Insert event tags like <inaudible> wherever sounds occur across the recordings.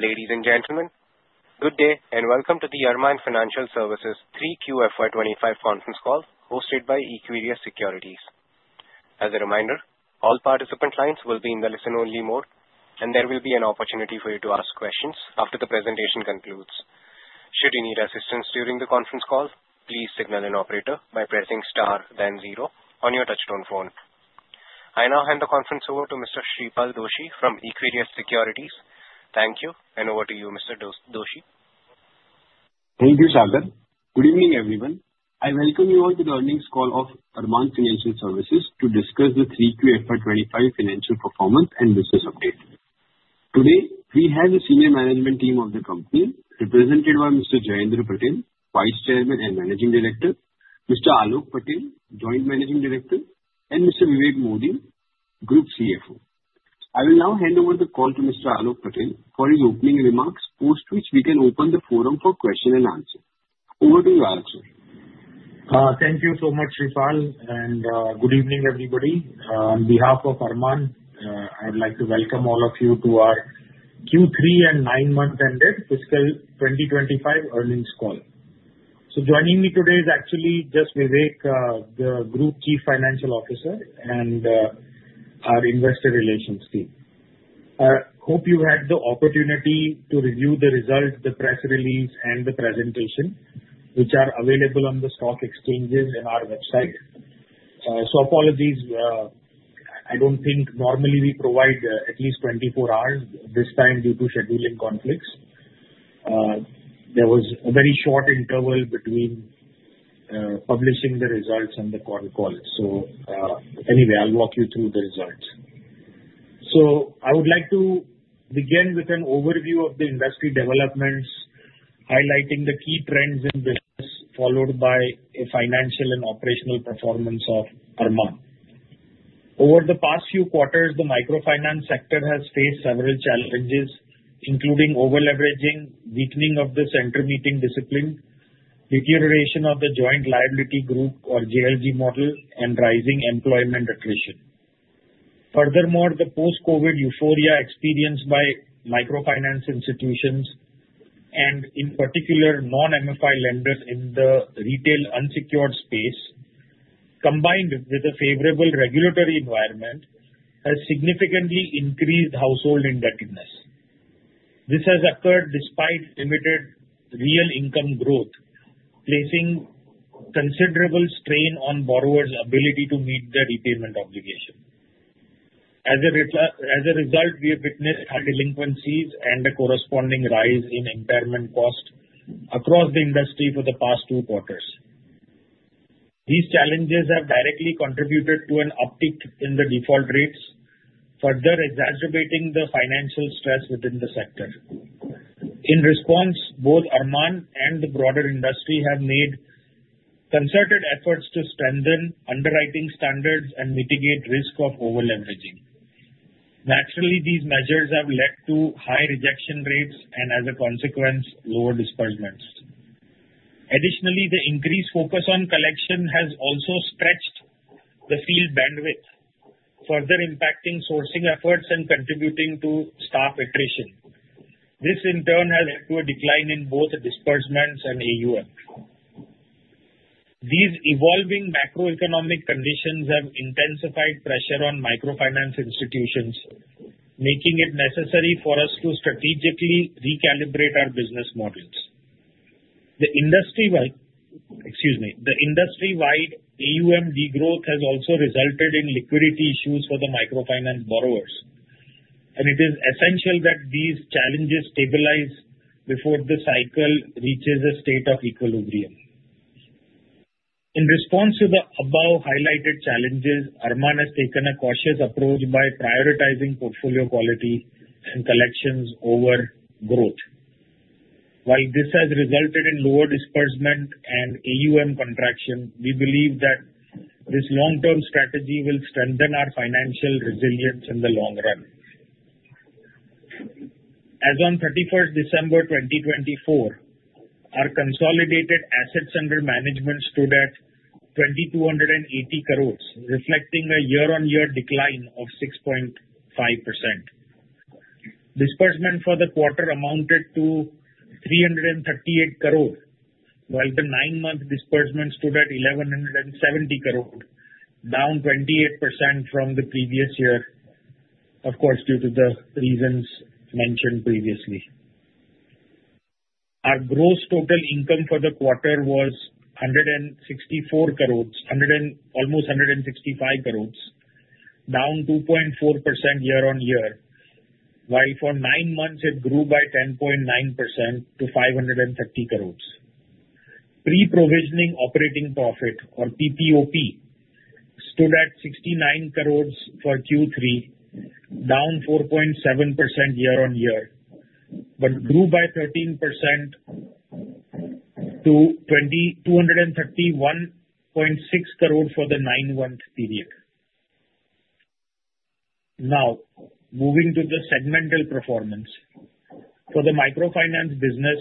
Ladies and gentlemen, good day and welcome to the Arman Financial Services 3Q FY 2025 conference call hosted by Equirus Securities. As a reminder, all participant lines will be in the listen-only mode, and there will be an opportunity for you to ask questions after the presentation concludes. Should you need assistance during the conference call, please signal an operator by pressing star, then zero on your touchstone phone. I now hand the conference over to Mr. Shreepal Doshi from Equirus Securities. Thank you, and over to you, Mr. Doshi. Thank you, Sharbat. Good evening, everyone. I welcome you all to the earnings call of Arman Financial Services to discuss the 3Q FY 2025 financial performance and business update. Today, we have the senior management team of the company represented by Mr. Jayendra Patel, Vice Chairman and Managing Director, Mr. Aalok Patel, Joint Managing Director, and Mr. Vivek Modi, Group CFO. I will now hand over the call to Mr. Aalok Patel for his opening remarks, post which we can open the forum for question and answer. Over to you, Aalok. Thank you so much, Shreepal, and good evening, everybody. On behalf of Arman, I would like to welcome all of you to our Q3 and nine-month-ended fiscal 2025 earnings call. Joining me today is actually just Vivek, the Group Chief Financial Officer, and our Investor Relations team. I hope you had the opportunity to review the results, the press release, and the presentation, which are available on the stock exchanges and our website. Apologies. I do not think normally we provide at least 24 hours this time due to scheduling conflicts. There was a very short interval between publishing the results and the call. Anyway, I will walk you through the results. I would like to begin with an overview of the industry developments, highlighting the key trends in business, followed by a financial and operational performance of Arman. Over the past few quarters, the microfinance sector has faced several challenges, including over-leveraging, weakening of the center-meeting discipline, deterioration of the joint liability group or JLG model, and rising employment attrition. Furthermore, the post-COVID euphoria experienced by microfinance institutions, and in particular, non-MFI lenders in the retail unsecured space, combined with a favorable regulatory environment, has significantly increased household indebtedness. This has occurred despite limited real income growth, placing considerable strain on borrowers' ability to meet their repayment obligation. As a result, we have witnessed delinquencies and a corresponding rise in impairment cost across the industry for the past two quarters. These challenges have directly contributed to an uptick in the default rates, further exacerbating the financial stress within the sector. In response, both Arman and the broader industry have made concerted efforts to strengthen underwriting standards and mitigate the risk of over-leveraging. Naturally, these measures have led to high rejection rates and, as a consequence, lower disbursements. Additionally, the increased focus on collection has also stretched the field bandwidth, further impacting sourcing efforts and contributing to staff attrition. This, in turn, has led to a decline in both disbursements and AUM. These evolving macroeconomic conditions have intensified pressure on microfinance institutions, making it necessary for us to strategically recalibrate our business models. The industry-wide AUM degrowth has also resulted in liquidity issues for the microfinance borrowers, and it is essential that these challenges stabilize before the cycle reaches a state of equilibrium. In response to the above-highlighted challenges, Arman has taken a cautious approach by prioritizing portfolio quality and collections over growth. While this has resulted in lower disbursement and AUM contraction, we believe that this long-term strategy will strengthen our financial resilience in the long run. As of 31st December 2024, our consolidated assets under management stood at 2,280 crores, reflecting a year-on-year decline of 6.5%. Disbursement for the quarter amounted to 338 crores, while the nine-month disbursement stood at 1,170 crores, down 28% from the previous year, of course, due to the reasons mentioned previously. Our gross total income for the quarter was almost INR 165 crores, down 2.4% year-on-year, while for nine months it grew by 10.9% to 530 crores. Pre-Provisioning Operating Profit, or PPOP, stood at 69 crores for Q3, down 4.7% year-on-year, but grew by 13% to 231.6 crores for the nine-month period. Now, moving to the segmental performance. For the microfinance business,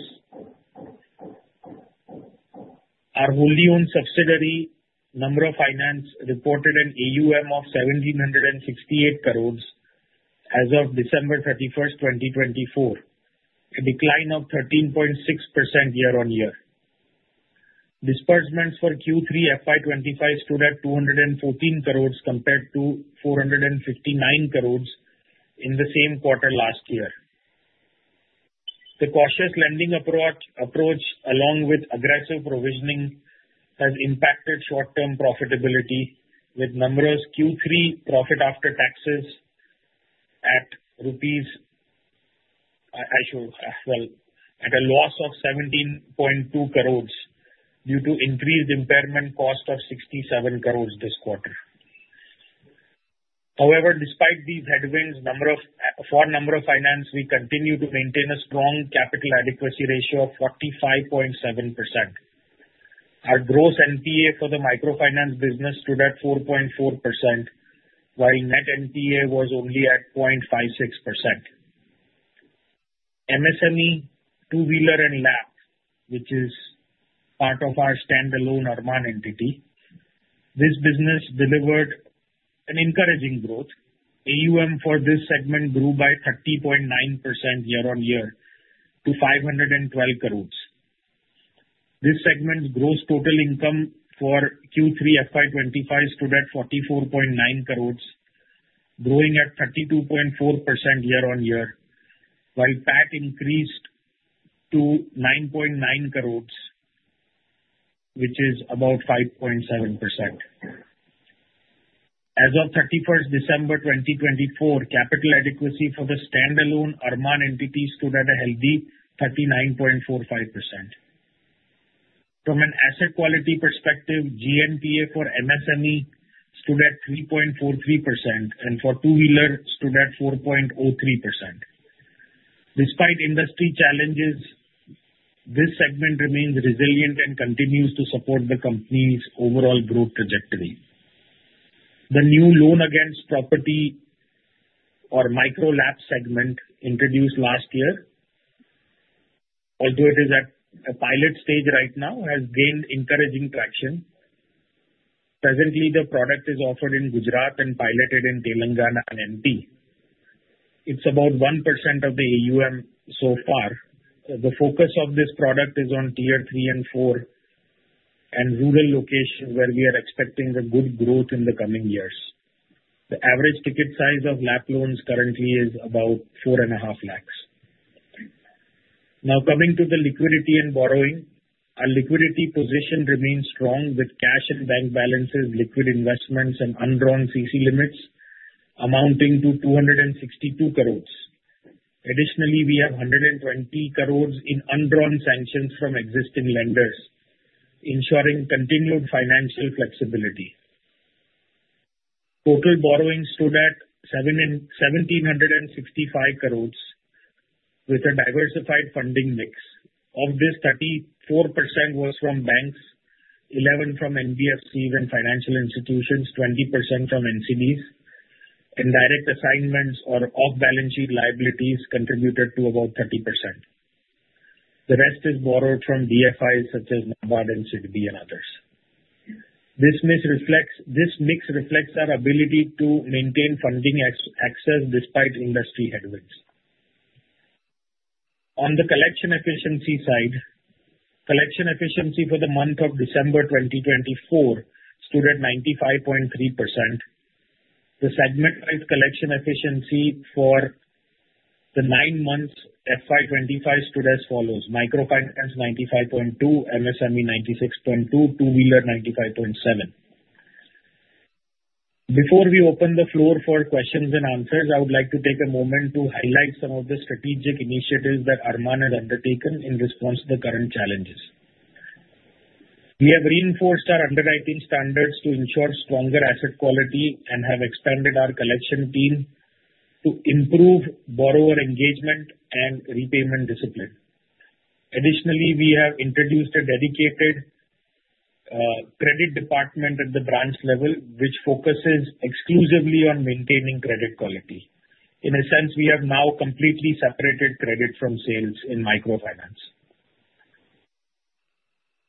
our wholly-owned subsidiary Namra Finance reported an AUM of 1,768 crores as of December 31st, 2024, a decline of 13.6% year-on-year. Disbursements for Q3 FY 2025 stood at 214 crores compared to 459 crores in the same quarter last year. The cautious lending approach, along with aggressive provisioning, has impacted short-term profitability, with Q3 profit after taxes at a loss of 17.2 crores due to increased impairment cost of 67 crores this quarter. However, despite these headwinds, for Namra Finance, we continue to maintain a strong capital adequacy ratio of 45.7%. Our gross NPA for the microfinance business stood at 4.4%, while net NPA was only at 0.56%. MSME, two-wheeler and LAP, which is part of our standalone Arman entity, this business delivered an encouraging growth. AUM for this segment grew by 30.9% year-on-year to 512 crores. This segment's gross total income for Q3 FY 2025 stood at 44.9 crores, growing at 32.4% year-on-year, while PAT increased to 9.9 crores, which is about 5.7%. As of 31st December 2024, capital adequacy for the standalone Arman entity stood at a healthy 39.45%. From an asset quality perspective, GNPA for MSME stood at 3.43%, and for two-wheeler, stood at 4.03%. Despite industry challenges, this segment remains resilient and continues to support the company's overall growth trajectory. The new loan-against-property or micro-LAP segment introduced last year, although it is at a pilot stage right now, has gained encouraging traction. Presently, the product is offered in Gujarat and piloted in Telangana and MP. It's about 1% of the AUM so far. The focus of this product is on tier three and four and rural locations where we are expecting good growth in the coming years. The average ticket size of LAP loans currently is about 450,000. Now, coming to the liquidity and borrowing, our liquidity position remains strong with cash and bank balances, liquid investments, and undrawn CC limits amounting to 262 crore. Additionally, we have 120 crores in undrawn sanctions from existing lenders, ensuring continued financial flexibility. Total borrowing stood at 1,765 crores with a diversified funding mix. Of this, 34% was from banks, 11% from NBFCs and financial institutions, 20% from NCBs, and direct assignments or off-balance sheet liabilities contributed to about 30%. The rest is borrowed from DFIs such as NABARD and SIDBI and others. This mix reflects our ability to maintain funding access despite industry headwinds. On the collection efficiency side, collection efficiency for the month of December 2024 stood at 95.3%. The segment-wise collection efficiency for the nine months FY 2025 stood as follows: Microfinance 95.2%, MSME 96.2%, Two-wheeler 95.7%. Before we open the floor for questions and answers, I would like to take a moment to highlight some of the strategic initiatives that Arman has undertaken in response to the current challenges. We have reinforced our underwriting standards to ensure stronger asset quality and have expanded our collection team to improve borrower engagement and repayment discipline. Additionally, we have introduced a dedicated credit department at the branch level, which focuses exclusively on maintaining credit quality. In a sense, we have now completely separated credit from sales in microfinance.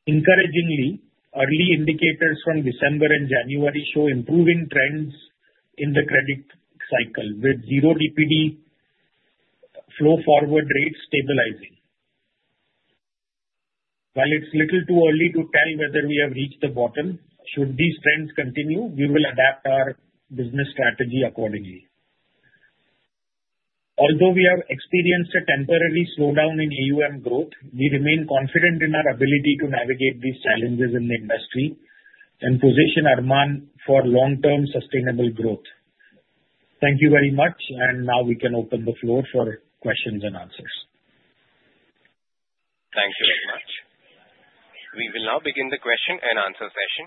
Encouragingly, early indicators from December and January show improving trends in the credit cycle, with zero DPD flow-forward rates stabilizing. While it is a little too early to tell whether we have reached the bottom, should these trends continue, we will adapt our business strategy accordingly. Although we have experienced a temporary slowdown in AUM growth, we remain confident in our ability to navigate these challenges in the industry and position Arman for long-term sustainable growth. Thank you very much, and now we can open the floor for questions and answers. Thank you very much. We will now begin the question and answer session.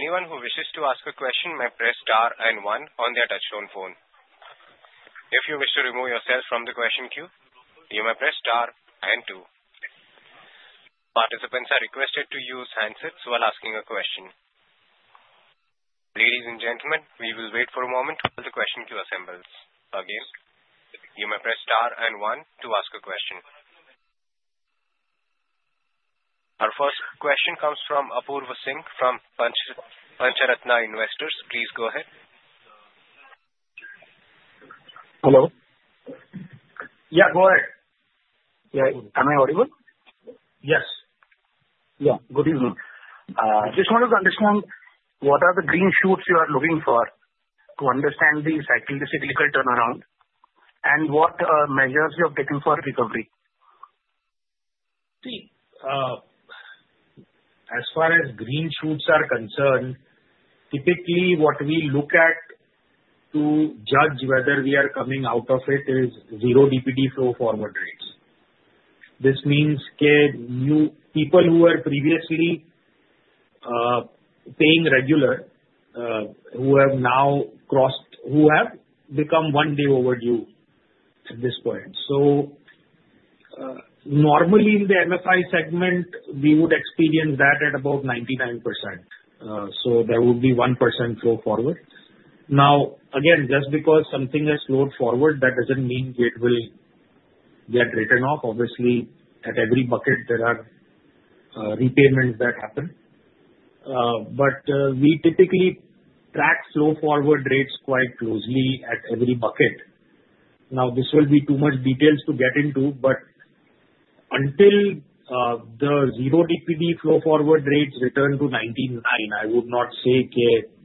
Anyone who wishes to ask a question may press star and one on their touchstone phone. If you wish to remove yourself from the question queue, you may press star and two. Participants are requested to use handsets while asking a question. Ladies and gentlemen, we will wait for a moment while the question queue assembles again. You may press star and one to ask a question. Our first question comes from Apurva Singh from Pancharatna Investors. Please go ahead. Hello. Yeah, go ahead. Yeah, am I audible? Yes. Yeah, good evening. I just wanted to understand what are the green shoots you are looking for to understand the cyclical turnaround and what measures you have taken for recovery. See, as far as green shoots are concerned, typically what we look at to judge whether we are coming out of it is zero DPD flow-forward rates. This means people who were previously paying regular who have now crossed, who have become one day overdue at this point. Normally in the MFI segment, we would experience that at about 99%. There would be 1% flow-forward. Now, again, just because something has flowed forward, that does not mean it will get written off. Obviously, at every bucket, there are repayments that happen. We typically track flow-forward rates quite closely at every bucket. This will be too much detail to get into, but until the zero DPD flow-forward rates return to 99%, I would not say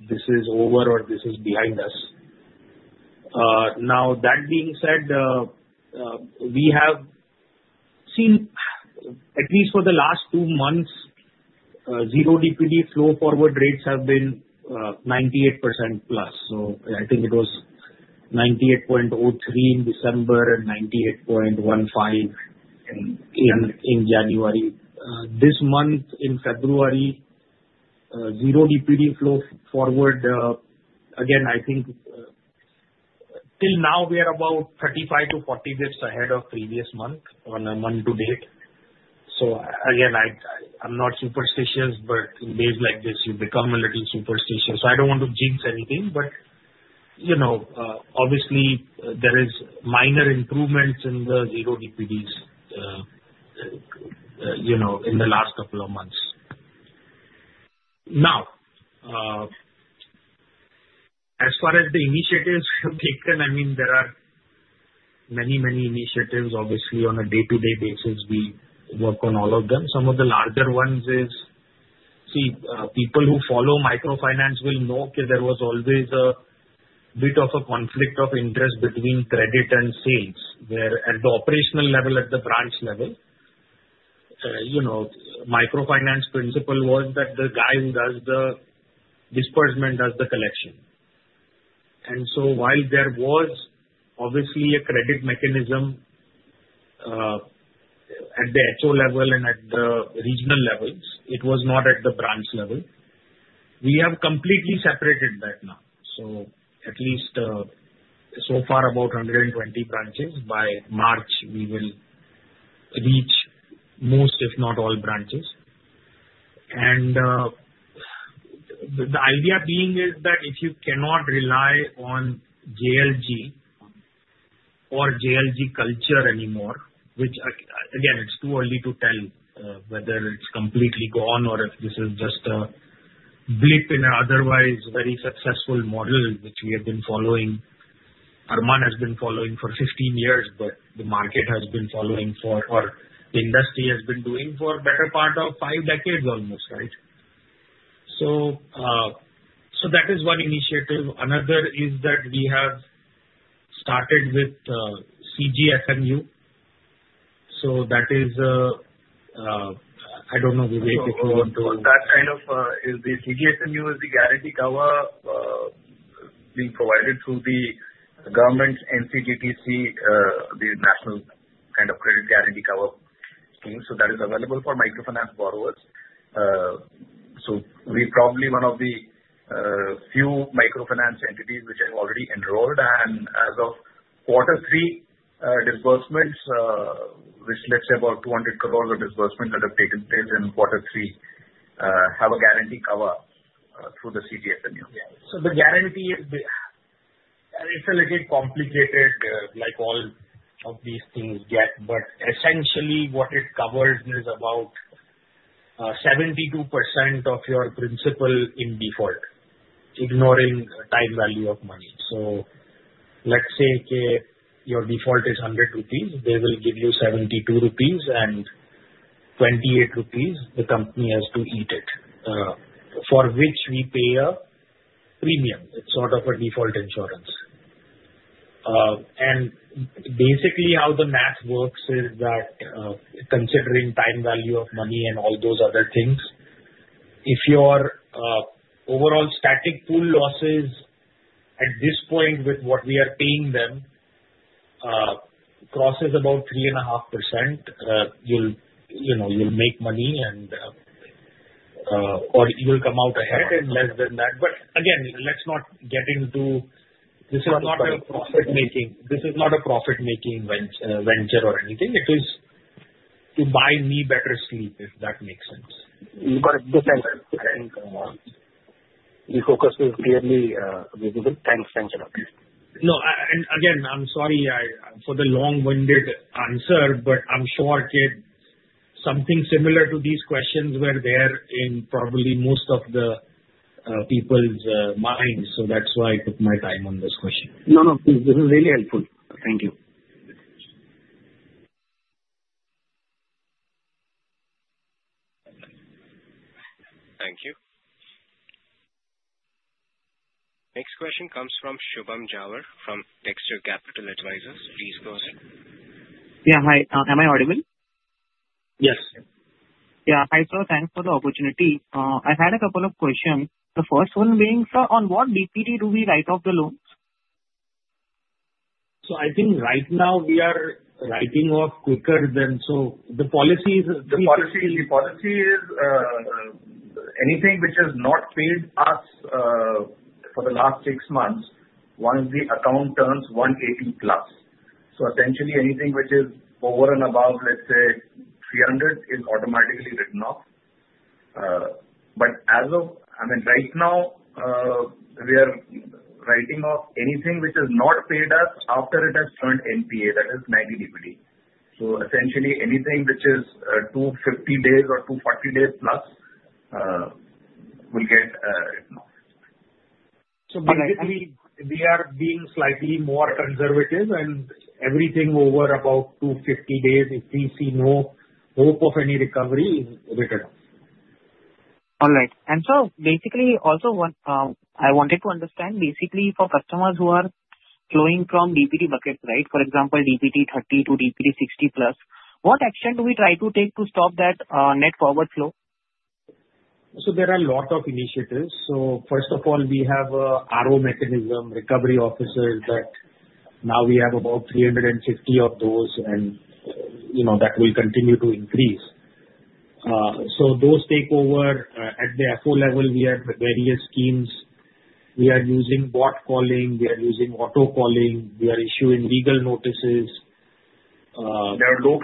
this is over or this is behind us. Now, that being said, we have seen, at least for the last two months, zero DPD flow-forward rates have been 98% plus. I think it was 98.03% in December and 98.15% in January. This month, in February, zero DPD flow-forward, again, I think till now we are about 35-40 basis points ahead of previous month on a month-to-date. I am not superstitious, but in days like this, you become a little superstitious. I do not want to jinx anything, but obviously, there are minor improvements in the zero DPDs in the last couple of months. Now, as far as the initiatives have taken, I mean, there are many, many initiatives. Obviously, on a day-to-day basis, we work on all of them. Some of the larger ones is, see, people who follow microfinance will know there was always a bit of a conflict of interest between credit and sales, where at the operational level, at the branch level, microfinance principle was that the guy who does the disbursement does the collection. While there was obviously a credit mechanism at the HO level and at the regional levels, it was not at the branch level. We have completely separated that now. At least so far, about 120 branches. By March, we will reach most, if not all, branches. The idea being is that if you cannot rely on JLG or JLG culture anymore, which again, it's too early to tell whether it's completely gone or if this is just a blip in an otherwise very successful model which we have been following. Arman has been following for 15 years, but the market has been following for or the industry has been doing for the better part of five decades almost, right? That is one initiative. Another is that we have started with CGFMU. That is, I don't know, Vivek, if you want to. That kind of is the CGFMU is the guarantee cover being provided through the government NCGTC, the national kind of credit guarantee cover scheme. That is available for microfinance borrowers. We're probably one of the few microfinance entities which have already enrolled. As of quarter three, disbursements, which let's say about 2 billion of disbursements that have taken place in quarter three, have a guarantee cover through the CGFMU. The guarantee, it's a little complicated like all of these things get, but essentially what it covers is about 72% of your principal in default, ignoring time value of money. Let's say your default is 100 rupees, they will give you 72 rupees, and 28 rupees, the company has to eat it, for which we pay a premium. It's sort of a default insurance. Basically, how the math works is that considering time value of money and all those other things, if your overall static pool losses at this point with what we are paying them crosses about 3.5%, you'll make money or you'll come out ahead in less than that. Again, let's not get into this is not a profit-making venture or anything. It is to buy me better sleep, if that makes sense. Got it. Definitely. We focus with clearly visible. Thanks. Thanks a lot. No. I am sorry for the long-winded answer, but I am sure something similar to these questions were there in probably most of the people's minds. That is why I took my time on this question. No, no. This is really helpful. Thank you. Thank you. Next question comes from Shubham Jhawar from Dexter Capital Advisors. Please go ahead. Yeah. Hi. Am I audible? Yes. Yeah. Hi, sir. Thanks for the opportunity. I had a couple of questions. The first one being, sir, on what DPD do we write off the loans? I think right now we are writing off quicker than, so the policy is. The policy is anything which has not paid us for the last six months, once the account turns 180 plus. Essentially, anything which is over and above, let's say, 300, is automatically written off. As of, I mean, right now, we are writing off anything which has not paid us after it has turned NPA, that is 90 DPD. Essentially, anything which is 250 days or 240 days plus will get written off. Basically, we are being slightly more conservative, and everything over about 250 days, if we see no hope of any recovery, is written off. All right. Sir, basically, also I wanted to understand, basically, for customers who are flowing from DPD buckets, right? For example, DPD 30 to DPD 60 plus, what action do we try to take to stop that net forward flow? There are a lot of initiatives. First of all, we have RO mechanism recovery officers that now we have about 350 of those, and that will continue to increase. Those take over at the FO level. We have various schemes. We are using bot calling. We are using auto calling. We are issuing legal notices. <crosstalk> Yeah, 90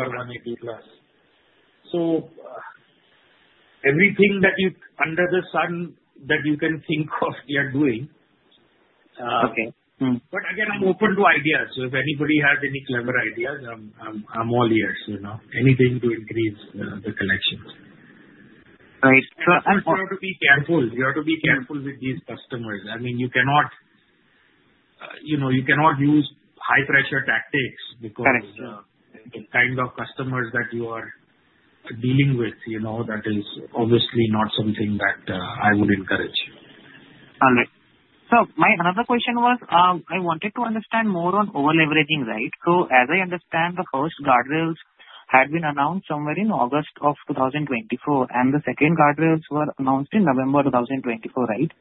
or 180 plus. Everything that you under the sun that you can think of, we are doing. Again, I'm open to ideas. If anybody has any clever ideas, I'm all ears. Anything to increase the collection. Right. You have to be careful. You have to be careful with these customers. I mean, you cannot use high-pressure tactics because the kind of customers that you are dealing with, that is obviously not something that I would encourage. All right. My another question was I wanted to understand more on overleveraging, right? As I understand, the first guardrails had been announced somewhere in August of 2024, and the second guardrails were announced in November 2024, right?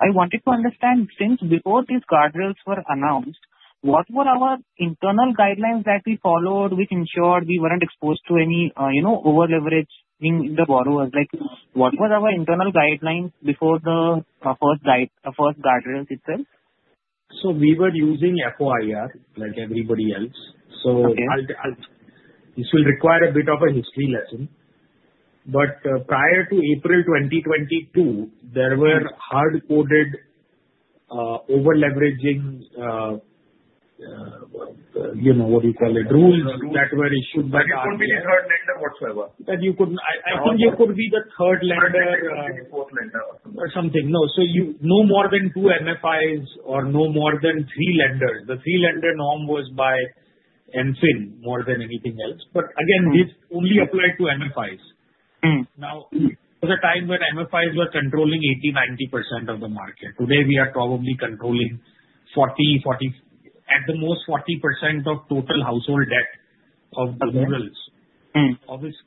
I wanted to understand, since before these guardrails were announced, what were our internal guidelines that we followed which ensured we were not exposed to any overleveraging in the borrowers? What was our internal guideline before the first guardrails itself? We were using FOIR like everybody else. This will require a bit of a history lesson. Prior to April 2022, there were hard-coded overleveraging, what do you call it, rules that were issued by the. <crosstalk> No. So no more than two MFIs or no more than three lenders. The three-lender norm was by NFIN more than anything else. This only applied to MFIs. There was a time when MFIs were controlling 80-90% of the market. Today, we are probably controlling 40, at the most, 40% of total household debt of rurals. Obviously,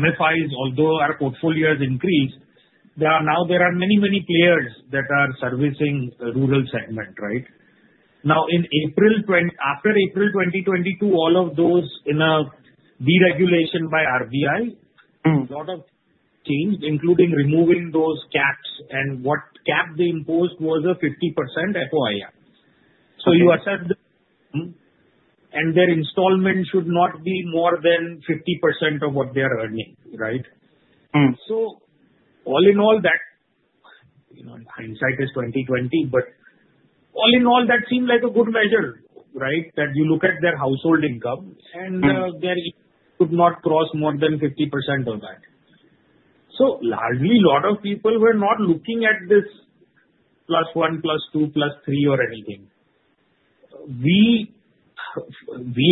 MFIs, although our portfolios increased, now there are many, many players that are servicing the rural segment, right? After April 2022, all of those in a deregulation by RBI, a lot of change, including removing those caps. What cap they imposed was a 50% FOIR. You assess them, and their installment should not be more than 50% of what they are earning, right? All in all, that hindsight is 20-20, but all in all, that seemed like a good measure, right, that you look at their household income and their could not cross more than 50% of that. Largely, a lot of people were not looking at this plus one, plus two, plus three, or anything. We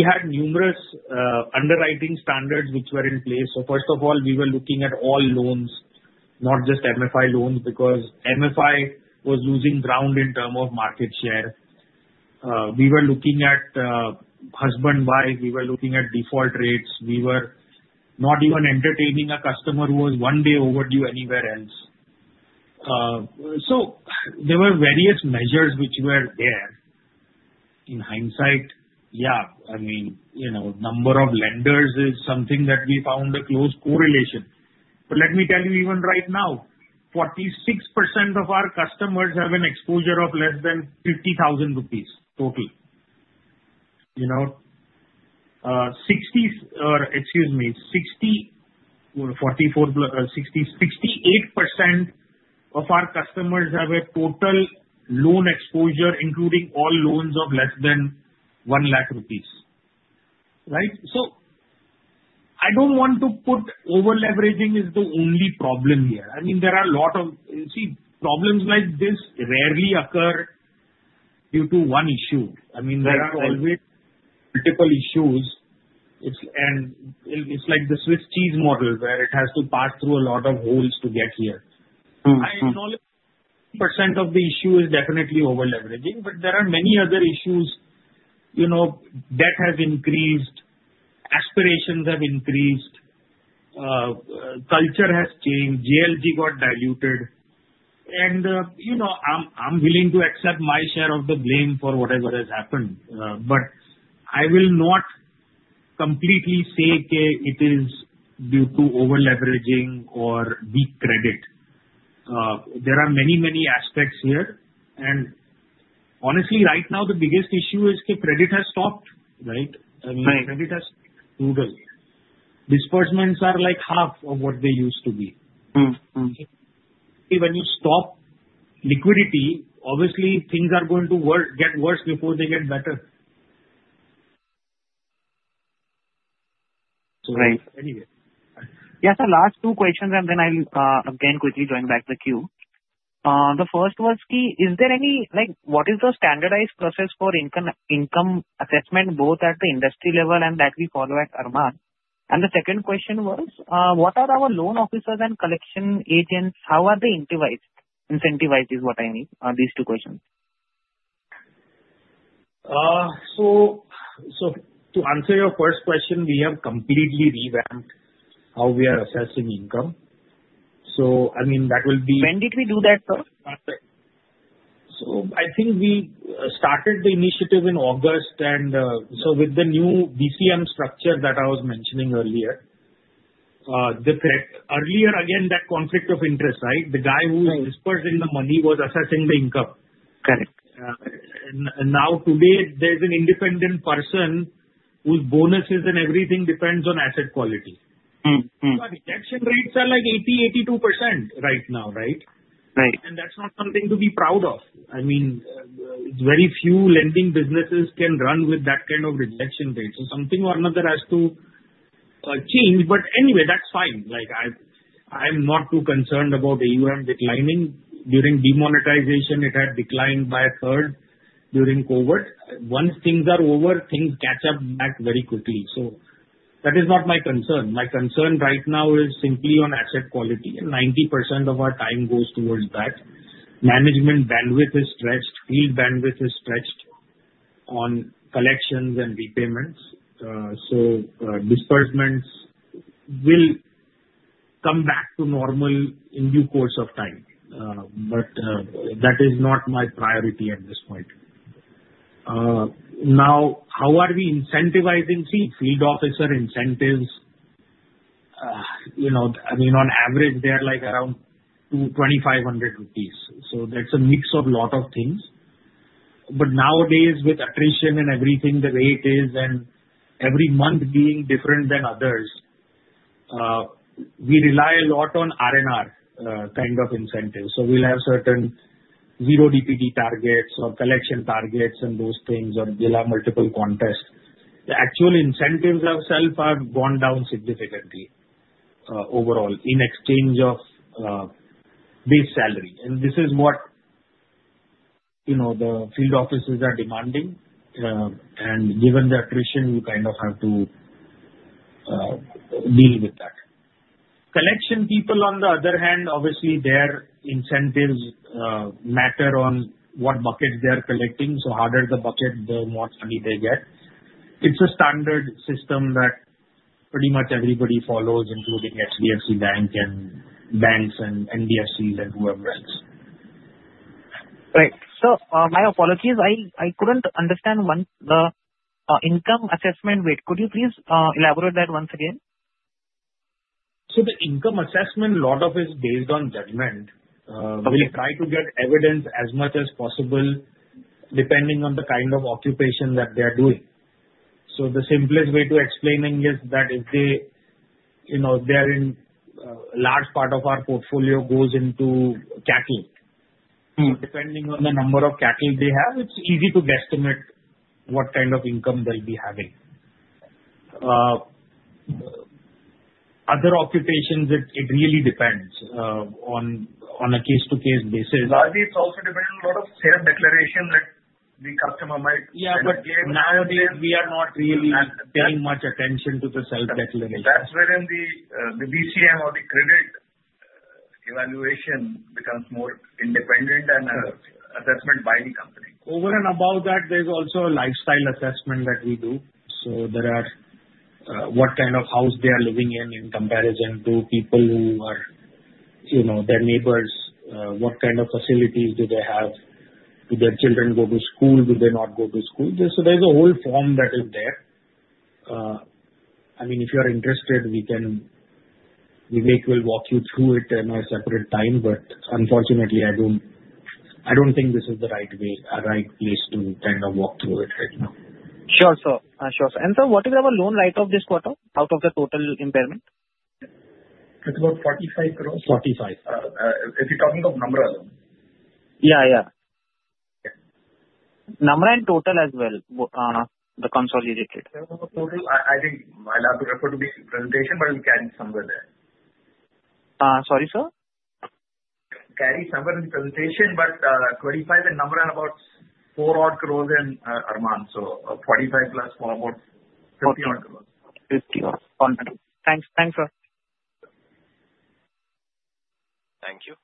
had numerous underwriting standards which were in place. First of all, we were looking at all loans, not just MFI loans, because MFI was losing ground in terms of market share. We were looking at husband-wise. We were looking at default rates. We were not even entertaining a customer who was one day overdue anywhere else. There were various measures which were there. In hindsight, yeah, I mean, number of lenders is something that we found a close correlation. Let me tell you, even right now, 46% of our customers have an exposure of less than 50,000 rupees total. Sixty or, excuse me, 68% of our customers have a total loan exposure, including all loans, of less than 100,000 rupees, right? I do not want to put overleveraging as the only problem here. I mean, there are a lot of, you see, problems like this rarely occur due to one issue. I mean, there are always multiple issues. It is like the Swiss cheese model where it has to pass through a lot of holes to get here. I acknowledge 50% of the issue is definitely overleveraging, but there are many other issues. Debt has increased. Aspirations have increased. Culture has changed. JLG got diluted. I am willing to accept my share of the blame for whatever has happened. I will not completely say it is due to overleveraging or weak credit. There are many, many aspects here. Honestly, right now, the biggest issue is credit has stopped, right? I mean, credit has crudely. Disbursements are like half of what they used to be. When you stop liquidity, obviously, things are going to get worse before they get better. Anyway. Yeah. Last two questions, and then I'll again quickly join back the queue. The first was, is there any, what is the standardized process for income assessment both at the industry level and that we follow at Arman? The second question was, what are our loan officers and collection agents, how are they incentivized, is what I mean, these two questions? To answer your first question, we have completely revamped how we are assessing income. I mean, that will be. When did we do that, sir? I think we started the initiative in August. With the new BCM structure that I was mentioning earlier, the correct earlier, again, that conflict of interest, right? The guy who's disbursing the money was assessing the income. Now, today, there's an independent person whose bonuses and everything depends on asset quality. Rejection rates are like 80-82% right now, right? That's not something to be proud of. I mean, very few lending businesses can run with that kind of rejection rate. Something or another has to change. Anyway, that's fine. I'm not too concerned about the declining. During demonetization, it had declined by a third. During COVID, once things are over, things catch up back very quickly. That is not my concern. My concern right now is simply on asset quality. 90% of our time goes towards that. Management bandwidth is stretched. Field bandwidth is stretched on collections and repayments. Disbursements will come back to normal in due course of time. That is not my priority at this point. Now, how are we incentivizing? See, field officer incentives, I mean, on average, they are like around 2,500 rupees. That's a mix of a lot of things. Nowadays, with attrition and everything, the rate is, and every month being different than others, we rely a lot on R&R kind of incentives. We'll have certain zero DPD targets or collection targets and those things, or we'll have multiple contests. The actual incentives themselves have gone down significantly overall in exchange of base salary. This is what the field officers are demanding. Given the attrition, we kind of have to deal with that. Collection people, on the other hand, obviously, their incentives matter on what buckets they are collecting. The harder the bucket, the more money they get. It's a standard system that pretty much everybody follows, including HDFC Bank and banks and NBFCs and whoever else. Right. My apologies. I couldn't understand once the income assessment. Wait. Could you please elaborate that once again? The income assessment, a lot of it is based on judgment. We try to get evidence as much as possible depending on the kind of occupation that they are doing. The simplest way to explain it is that if they are in a large part of our portfolio goes into cattle. Depending on the number of cattle they have, it is easy to guesstimate what kind of income they will be having. Other occupations, it really depends on a case-to-case basis. Nowadays, it also depends on a lot of self-declaration that the customer might. Yeah. Nowadays, we are not really paying much attention to the self-declaration. That's where the BCM or the credit evaluation becomes more independent and assessment by the company. Over and above that, there's also a lifestyle assessment that we do. There are what kind of house they are living in in comparison to people who are their neighbors. What kind of facilities do they have? Do their children go to school? Do they not go to school? There's a whole form that is there. I mean, if you're interested, we will walk you through it at a separate time. Unfortunately, I don't think this is the right way, a right place to kind of walk through it right now. Sure. Sure. And sir, what is our loan write-off this quarter out of the total impairment? It's about 45 crore. 45. If you're talking of number alone. Yeah. Yeah. Number and total as well, the consolidated. I think I'll have to refer to the presentation, but it'll carry somewhere there. Sorry, sir? Carry somewhere in the presentation, but 25 and number are about 4 odd crores in Arman. So 45 plus 4 about 50 odd crores. 50 odd. Thanks. Thanks, sir. Thank you.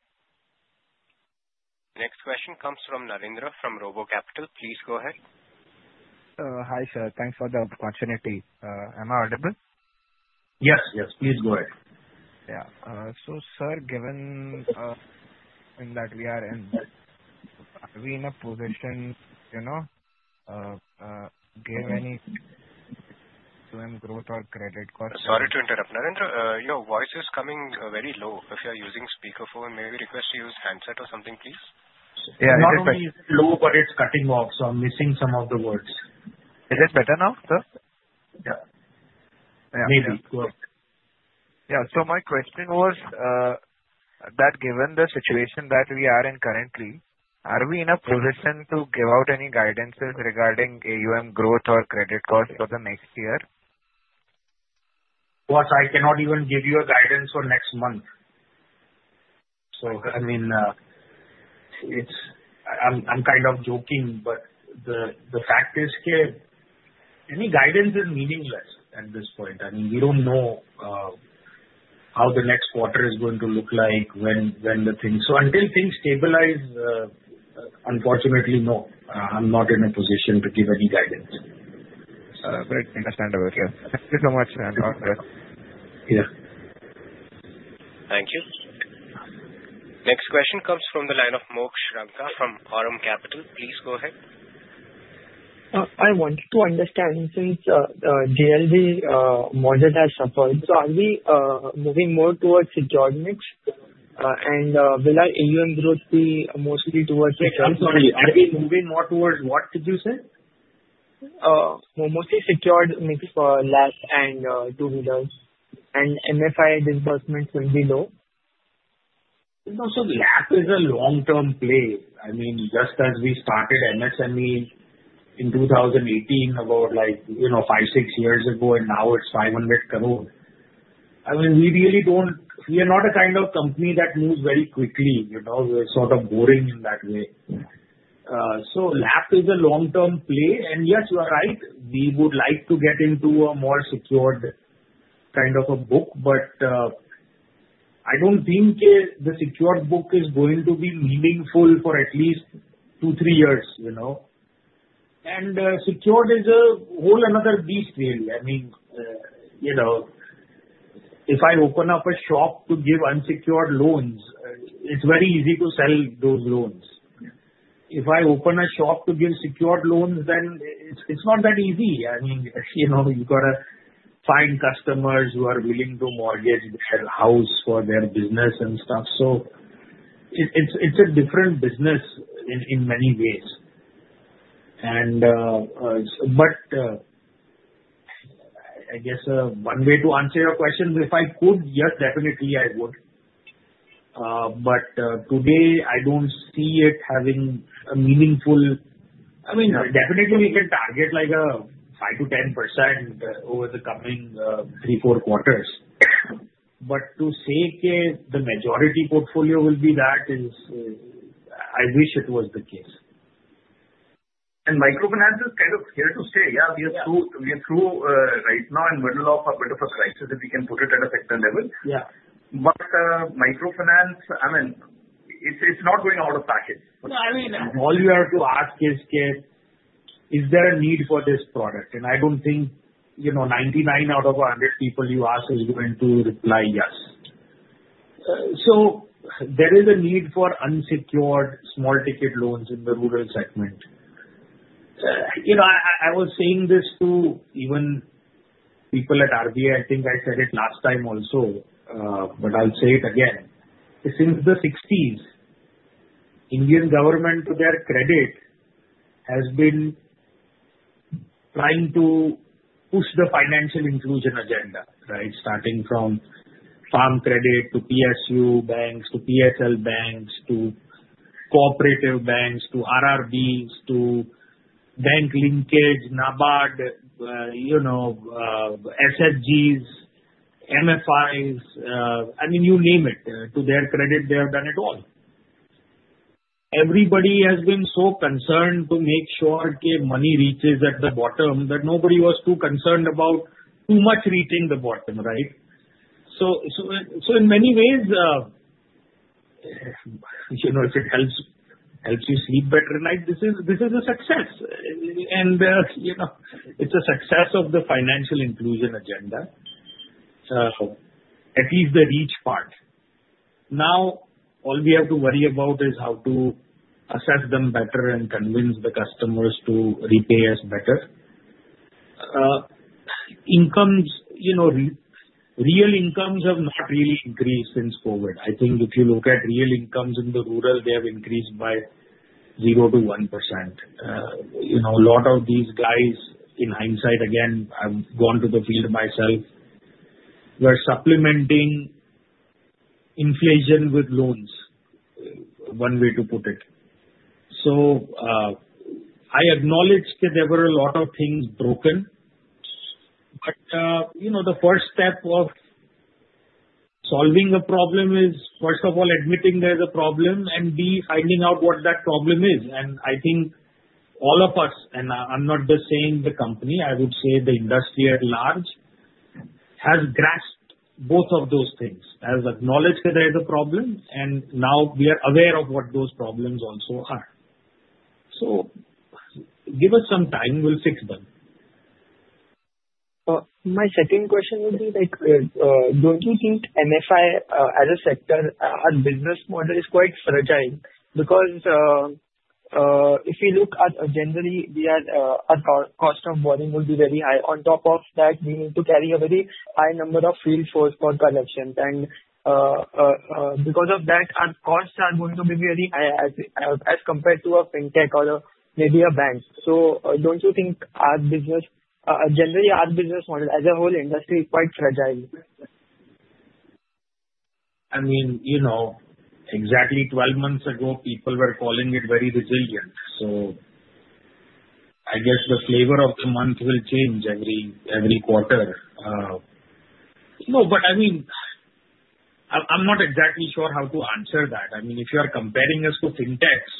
Next question comes from Narendra from RoboCapital. Please go ahead. Hi, sir. Thanks for the opportunity. Am I audible? Yes. Yes. Please go ahead. Yeah. Sir, given that we are in a position, give any to him growth or credit cost. Sorry to interrupt. Narendra, your voice is coming very low. If you're using speakerphone, may we request you use handset or something, please? Yeah. It's low, but it's cutting off. I'm missing some of the words. Is it better now, sir? Yeah. Maybe. Yeah. My question was that given the situation that we are in currently, are we in a position to give out any guidances regarding AUM growth or credit cost for the next year? What? I cannot even give you a guidance for next month. I mean, I'm kind of joking, but the fact is any guidance is meaningless at this point. I mean, we don't know how the next quarter is going to look like when the things, so until things stabilize, unfortunately, no. I'm not in a position to give any guidance. Great. Understandable here. Thank you so much, sir. I'm logged here. Yeah. Thank you. Next question comes from the line of Moksh Ranka from Aurum Capital. Please go ahead. I want to understand since JLG models are supported, so are we moving more towards secured mix, and will our AUM growth be mostly towards. <crosstalk> Are we moving more towards what, did you say? Mostly secured mix for LAP and two-wheelers, and MFI disbursements will be low. No. LAP is a long-term play. I mean, just as we started MSME in 2018, about five, six years ago, and now it's 500 crore. I mean, we really don't, we are not a kind of company that moves very quickly. We're sort of boring in that way. LAP is a long-term play. Yes, you are right. We would like to get into a more secured kind of a book, but I don't think the secured book is going to be meaningful for at least two-three years. Secured is a whole another beast, really. I mean, if I open up a shop to give unsecured loans, it's very easy to sell those loans. If I open a shop to give secured loans, then it's not that easy. I mean, you got to find customers who are willing to mortgage their house for their business and stuff. It is a different business in many ways. I guess one way to answer your question, if I could, yes, definitely I would. Today, I do not see it having a meaningful, I mean, definitely, we can target like a 5%-10% over the coming three, four quarters. To say the majority portfolio will be that, I wish it was the case. Microfinance is kind of here to stay. Yeah. We are through right now in the middle of a bit of a crisis, if we can put it at a certain level. Microfinance, I mean, it's not going out of pocket. No. I mean, all you have to ask is, is there a need for this product? I do not think 99 out of 100 people you ask are going to reply yes. There is a need for unsecured small-ticket loans in the rural segment. I was saying this to even people at RBI. I think I said it last time also, but I will say it again. Since the 1960s, Indian government, to their credit, has been trying to push the financial inclusion agenda, right, starting from farm credit to PSU banks, to PSL banks, to cooperative banks, to RRBs, to bank linkage, NABARD, SHGs, MFIs, I mean, you name it. To their credit, they have done it all. Everybody has been so concerned to make sure money reaches at the bottom that nobody was too concerned about too much reaching the bottom, right? In many ways, if it helps you sleep better at night, this is a success. It is a success of the financial inclusion agenda, at least the reach part. Now, all we have to worry about is how to assess them better and convince the customers to repay us better. Incomes, real incomes have not really increased since COVID. I think if you look at real incomes in the rural, they have increased by 0-1%. A lot of these guys, in hindsight, again, I have gone to the field myself, were supplementing inflation with loans, one way to put it. I acknowledge that there were a lot of things broken. The first step of solving a problem is, first of all, admitting there is a problem and B, finding out what that problem is. I think all of us, and I'm not just saying the company. I would say the industry at large has grasped both of those things, has acknowledged that there is a problem, and now we are aware of what those problems also are. Give us some time. We'll fix them. My second question would be, don't you think MFI as a sector, our business model, is quite fragile? Because if you look at generally, our cost of borrowing will be very high. On top of that, we need to carry a very high number of field force for collections. Because of that, our costs are going to be very high as compared to a fintech or maybe a bank. Don't you think our business, generally, our business model as a whole industry is quite fragile? I mean, exactly 12 months ago, people were calling it very resilient. I guess the flavor of the month will change every quarter. No. I mean, I'm not exactly sure how to answer that. If you are comparing us to fintechs,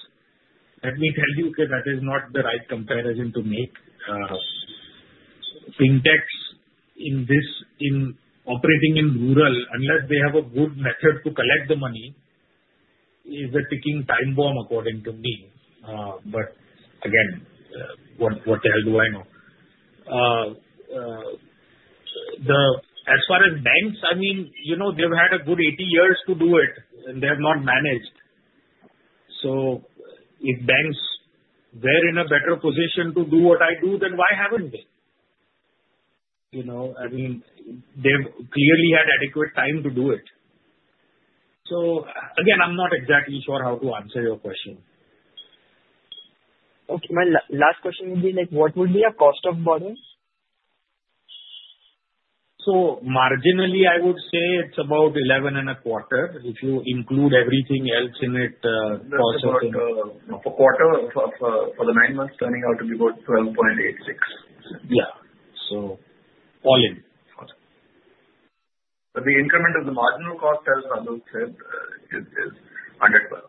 let me tell you, okay, that is not the right comparison to make. Fintechs, in operating in rural, unless they have a good method to collect the money, is a ticking time bomb, according to me. Again, what the hell do I know? As far as banks, I mean, they've had a good 80 years to do it, and they have not managed. If banks were in a better position to do what I do, then why haven't they? I mean, they've clearly had adequate time to do it. Again, I'm not exactly sure how to answer your question. Okay. My last question would be, what would be your cost of borrowing? Marginally, I would say it's about 11 and a quarter. If you include everything else in it, cost of. For the quarter, for the nine months, turning out to be about 12.86. Yeah. All in. The increment of the marginal cost, as Aalok Patel said, is 112.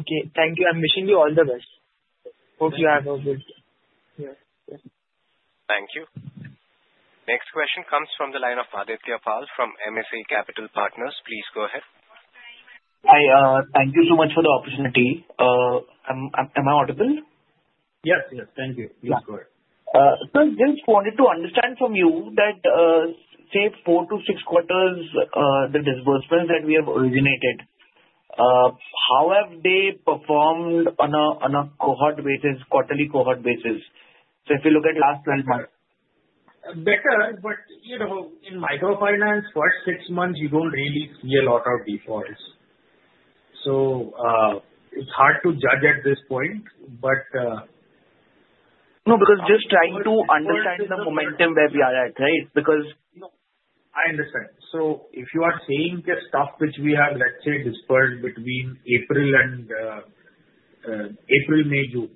Okay. Thank you. I'm wishing you all the best. Hope you have a good day. Thank you. Next question comes from the line of Aditya Pal from MSA Capital Partners. Please go ahead. Hi. Thank you so much for the opportunity. Am I audible? Yes. Yes. Thank you. Please go ahead. Sir, just wanted to understand from you that, say, four to six quarters, the disbursements that we have originated, how have they performed on a quarterly cohort basis? If you look at last 12 months. Better. In microfinance, first six months, you don't really see a lot of defaults. It's hard to judge at this point, but. No, because just trying to understand the momentum where we are at, right? Because. I understand. If you are saying the stuff which we have, let's say, disbursed between April and May, June,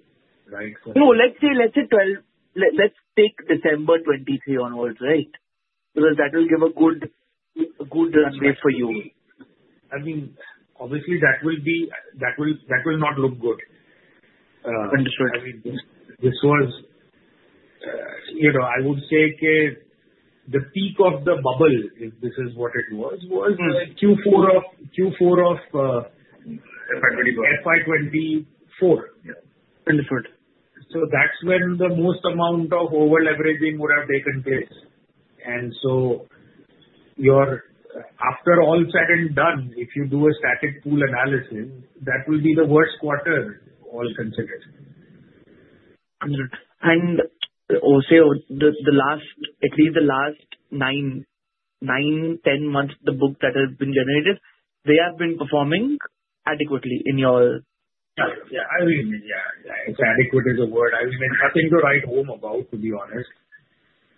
right? No. Let's say 12. Let's take December 2023 onwards, right? Because that will give a good runway for you. I mean, obviously, that will not look good. Understood. I mean, this was, I would say, okay, the peak of the bubble, if this is what it was, was Q4 of. FY 2024. FY 2024. Understood. That's when the most amount of over-leveraging would have taken place. After all said and done, if you do a static pool analysis, that will be the worst quarter, all considered. At least the last 9-10 months, the book that has been generated, they have been performing adequately in your. Yeah. I mean, yeah. It's adequate is the word. I mean, there's nothing to write home about, to be honest.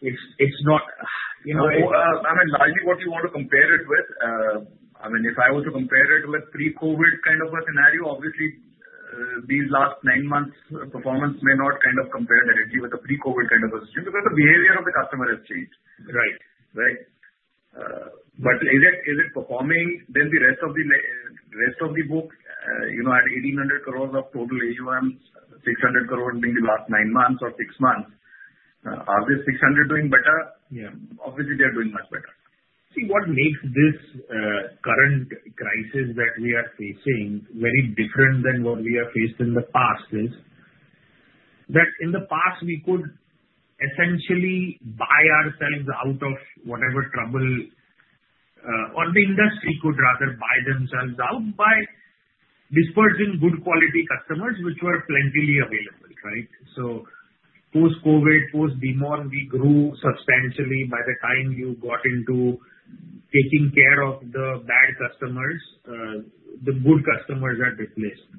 It's not. I mean, largely, what you want to compare it with, I mean, if I were to compare it with pre-COVID kind of a scenario, obviously, these last nine months' performance may not kind of compare directly with the pre-COVID kind of a system because the behavior of the customer has changed. Right. Right? Is it performing? The rest of the book at 1,800 crores of total AUM, 600 crores being the last nine months or six months, are the 600 crores doing better? Obviously, they're doing much better. See, what makes this current crisis that we are facing very different than what we have faced in the past is that in the past, we could essentially buy ourselves out of whatever trouble or the industry could rather buy themselves out by disbursing good quality customers, which were plentily available, right? Post-COVID, post-demon, we grew substantially. By the time you got into taking care of the bad customers, the good customers had replaced.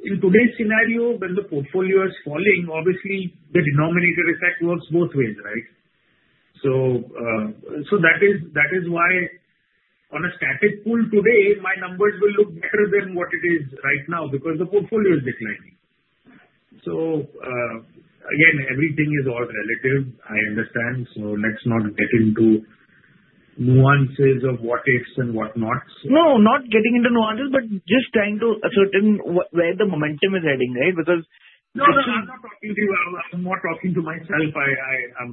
In today's scenario, when the portfolio is falling, obviously, the denominator effect works both ways, right? That is why on a static pool today, my numbers will look better than what it is right now because the portfolio is declining. Again, everything is all relative. I understand. Let's not get into nuances of what ifs and what nots. No, not getting into nuances, but just trying to ascertain where the momentum is heading, right? Because. No, no. I'm not talking to you. I'm not talking to myself.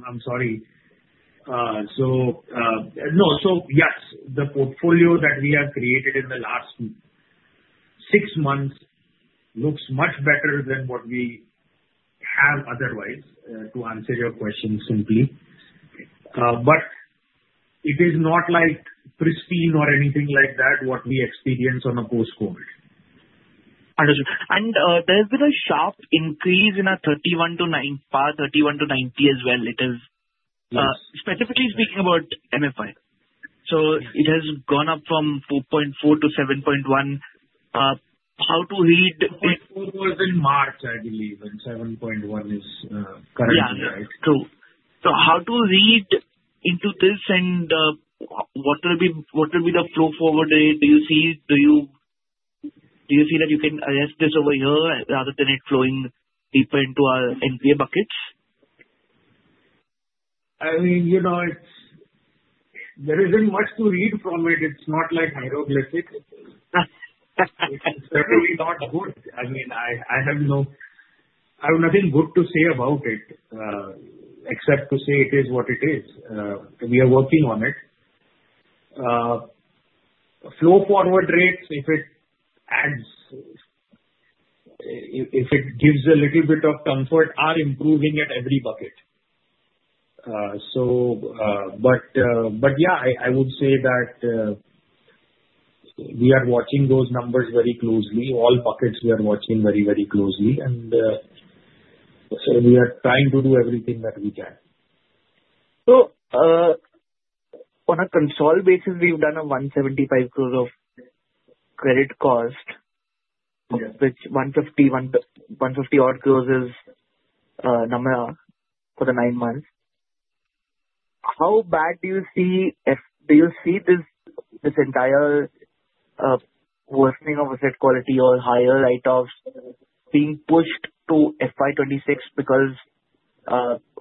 I'm sorry. No. Yes, the portfolio that we have created in the last six months looks much better than what we have otherwise, to answer your question simply. But it is not pristine or anything like that, what we experienced on a post-COVID. Understood. There has been a sharp increase in our 31 to 90 as well. Specifically speaking about MFI. It has gone up from 2.4 to 7.1. How to read it? It was in March, I believe, when 7.1 is currently, right? Yeah. True. How to read into this and what will be the flow forward? Do you see that you can address this over here rather than it flowing deeper into our NPA buckets? I mean, there isn't much to read from it. It's not like hieroglyphics. It's definitely not good. I mean, I have nothing good to say about it except to say it is what it is. We are working on it. Flow forward rates, if it gives a little bit of comfort, are improving at every bucket. I would say that we are watching those numbers very closely. All buckets, we are watching very, very closely. We are trying to do everything that we can. On a consolidated basis, we've done 175 crore of credit cost, which 150 crore is number for the nine months. How bad do you see this entire worsening of asset quality or higher rate of being pushed to FY 2026? Because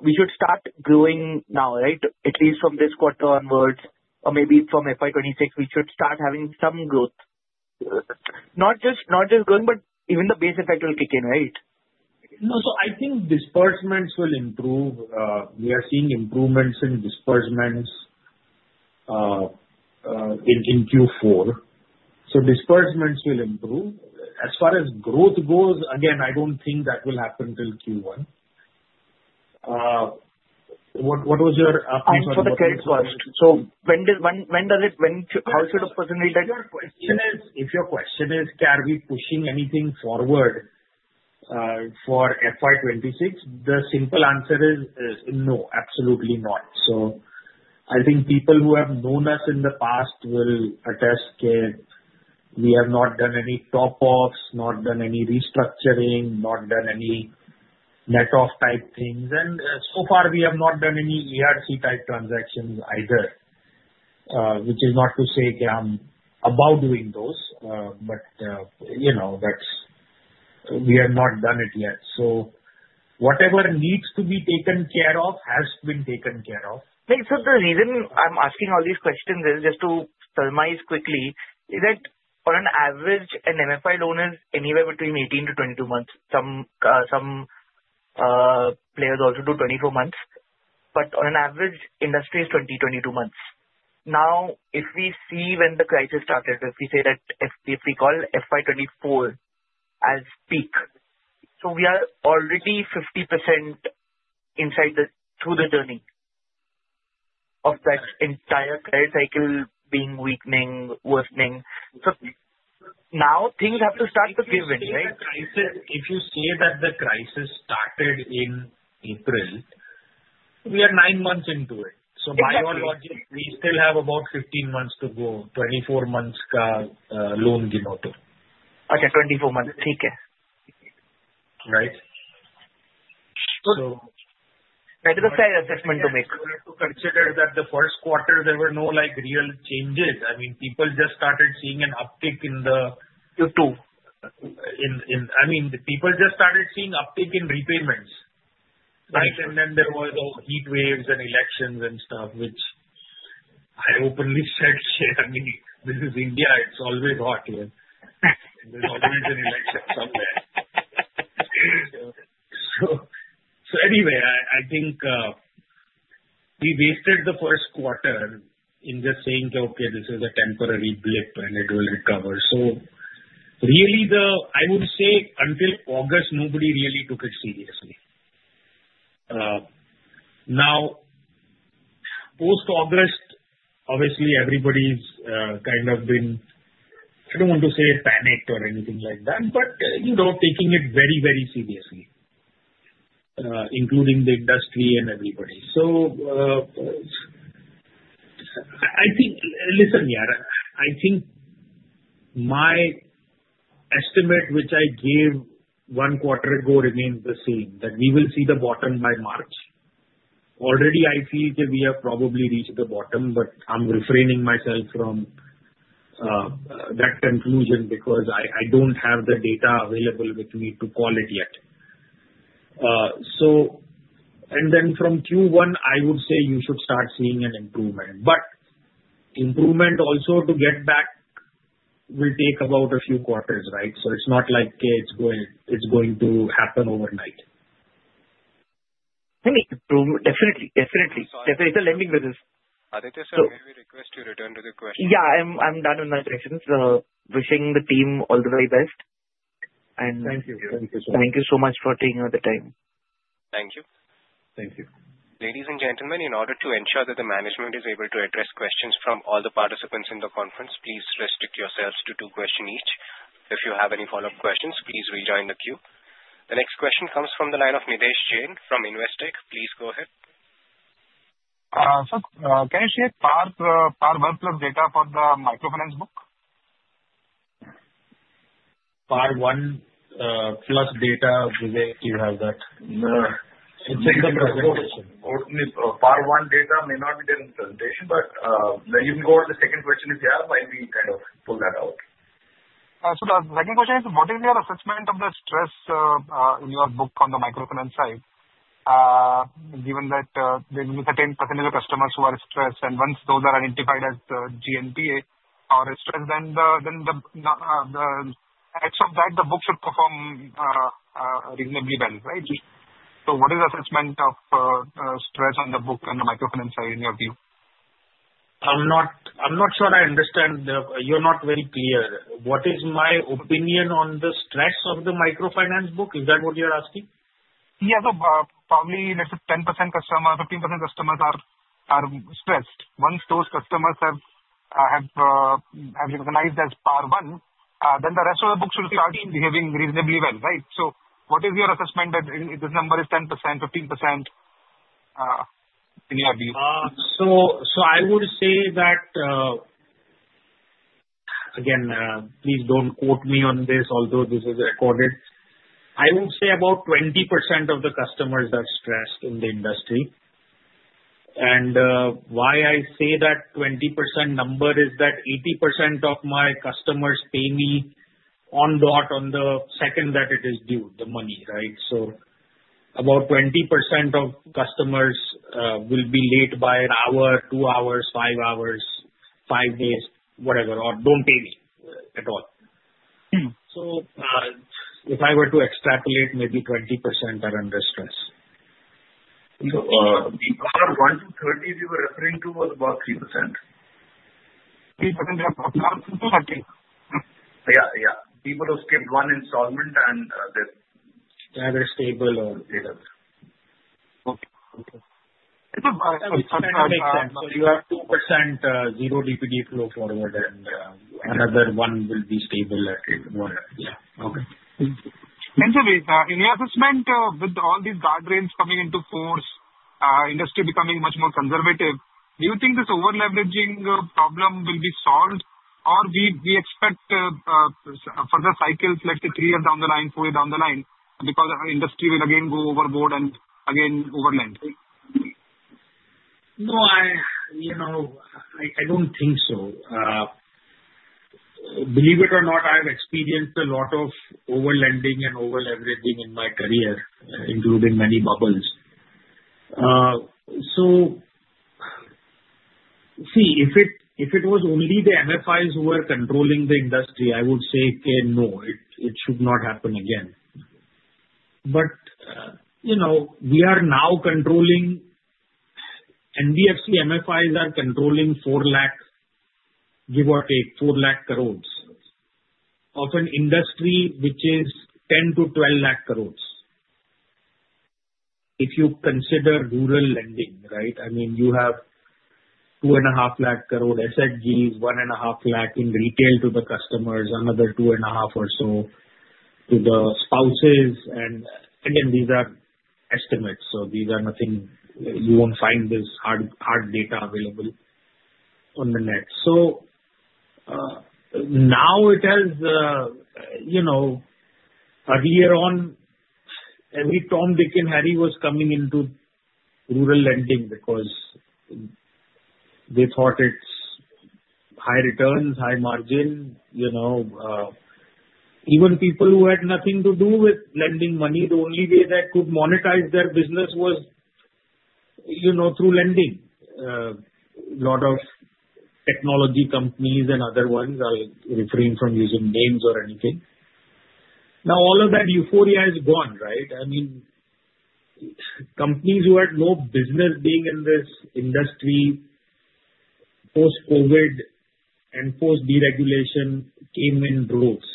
we should start growing now, right? At least from this quarter onwards, or maybe from FY 2026, we should start having some growth. Not just growing, but even the base effect will kick in, right? No. I think disbursements will improve. We are seeing improvements in disbursements in Q4. Disbursements will improve. As far as growth goes, again, I do not think that will happen till Q1. What was your opinion? <crosstalk> If your question is, "Can we push anything forward for FY 2026?" the simple answer is no, absolutely not. I think people who have known us in the past will attest that we have not done any top-offs, not done any restructuring, not done any net-off type things. So far, we have not done any ERC type transactions either, which is not to say I am about doing those, but we have not done it yet. Whatever needs to be taken care of has been taken care of. The reason I'm asking all these questions is just to surmise quickly that on average, an MFI loan is anywhere between 18-22 months. Some players also do 24 months. On average, industry is 20-22 months. Now, if we see when the crisis started, if we say that if we call FY 2024 as peak, we are already 50% inside through the journey of that entire credit cycle being weakening, worsening. Now things have to start to give in, right? If you say that the crisis started in April, we are nine months into it. By all logic, we still have about 15 months to go, 24 months loan give out. Okay. 24 months. Okay. Right? That is a fair assessment to make. Consider that the first quarter, there were no real changes. I mean, people just started seeing an uptick in the. Q2. I mean, people just started seeing uptick in repayments. And then there were heat waves and elections and stuff, which I openly said, "I mean, this is India. It's always hot here. There's always an election somewhere." Anyway, I think we wasted the first quarter in just saying, "Okay, this is a temporary blip, and it will recover." Really, I would say until August, nobody really took it seriously. Now, post-August, obviously, everybody's kind of been, I don't want to say panicked or anything like that, but taking it very, very seriously, including the industry and everybody. I think, listen, yeah, I think my estimate, which I gave one quarter ago, remains the same, that we will see the bottom by March. Already, I feel that we have probably reached the bottom, but I'm refraining myself from that conclusion because I don't have the data available with me to call it yet. From Q1, I would say you should start seeing an improvement. Improvement also to get back will take about a few quarters, right? It's not like it's going to happen overnight. I mean, definitely. Definitely. It's a lending business. Aditya, sir, may we request you return to the question? I'm done with my questions. Wishing the team all the very best. Thank you. Thank you, sir. Thank you so much for taking the time. Thank you. Thank you. Ladies and gentlemen, in order to ensure that the management is able to address questions from all the participants in the conference, please restrict yourselves to two questions each. If you have any follow-up questions, please rejoin the queue. The next question comes from the line of Nidhesh Jain from InvesTech. Please go ahead. Sir, can I see a PAR-1 plus data for the microfinance book? PAR-1 plus data, Vivek, you have that. It's in the presentation. PAR-1 data may not be there in the presentation, but you can go to the second question if you have, while we kind of pull that out. The second question is, what is your assessment of the stress in your book on the microfinance side, given that there is a certain percentage of customers who are stressed? Once those are identified as GNPA or stressed, then the likes of that, the book should perform reasonably well, right? What is the assessment of stress on the book and the microfinance side in your view? I'm not sure I understand. You're not very clear. What is my opinion on the stress of the microfinance book? Is that what you're asking? Yeah. Probably 10% customers, 15% customers are stressed. Once those customers have recognized as PAR-1, then the rest of the book should start behaving reasonably well, right? What is your assessment that this number is 10%, 15% in your view? I would say that, again, please don't quote me on this, although this is recorded. I would say about 20% of the customers are stressed in the industry. Why I say that 20% number is that 80% of my customers pay me on the second that it is due, the money, right? About 20% of customers will be late by an hour, two hours, five hours, five days, whatever, or don't pay me at all. If I were to extrapolate, maybe 20% are under stress. The PAR 1-30 we were referring to was about 3%. 3%. <audio distortion> Yeah. Yeah. People who skipped one installment and their. They're stable or. <audio distortion> 2% zero DPD flow forward, and another one will be stable. <audio distortion> Thank you, Vivek. In your assessment, with all these guardrails coming into force, industry becoming much more conservative, do you think this over-leveraging problem will be solved, or we expect further cycles, let's say, three years down the line, four years down the line, because industry will again go overboard and again overland? No, I don't think so. Believe it or not, I have experienced a lot of overlending and over-leveraging in my career, including many bubbles. See, if it was only the MFIs who were controlling the industry, I would say, "Okay, no, it should not happen again." We are now controlling NBFC MFIs are controlling 4 lakh, give or take 4 lakh crore, of an industry which is 10-12 lakh crore. If you consider rural lending, right? I mean, you have 2.5 lakh crore SFGs, 1.5 lakh in retail to the customers, another 2.5 or so to the spouses. Again, these are estimates. These are nothing you won't find this hard data available on the net. It has earlier on, every Tom, Dick, and Harry was coming into rural lending because they thought it's high returns, high margin. Even people who had nothing to do with lending money, the only way they could monetize their business was through lending. A lot of technology companies and other ones, I'll refrain from using names or anything. Now, all of that euphoria is gone, right? I mean, companies who had no business being in this industry post-COVID and post-deregulation came in droves.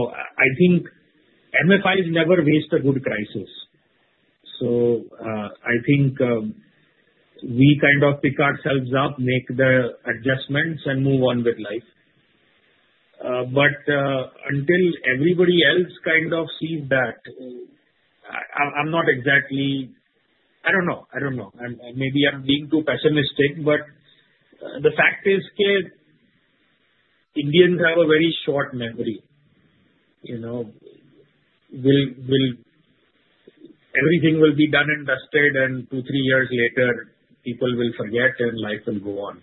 I think MFIs never wasted a good crisis. I think we kind of pick ourselves up, make the adjustments, and move on with life. Until everybody else kind of sees that, I'm not exactly, I don't know. I don't know. Maybe I'm being too pessimistic. The fact is, Indians have a very short memory. Everything will be done and dusted, and two, three years later, people will forget, and life will go on.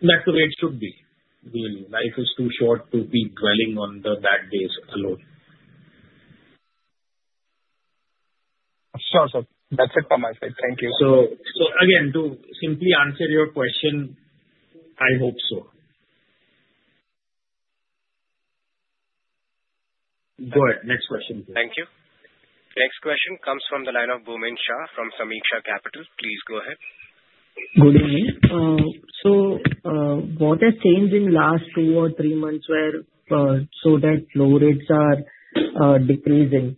That's the way it should be. Life is too short to be dwelling on the bad days alone. Sure. That's it from my side. Thank you. To simply answer your question, I hope so. Go ahead. Next question, please. Thank you. Next question comes from the line of Bhumin Shah from Sameeksha Capital. Please go ahead. Good evening. What has changed in the last two or three months where so that low rates are decreasing?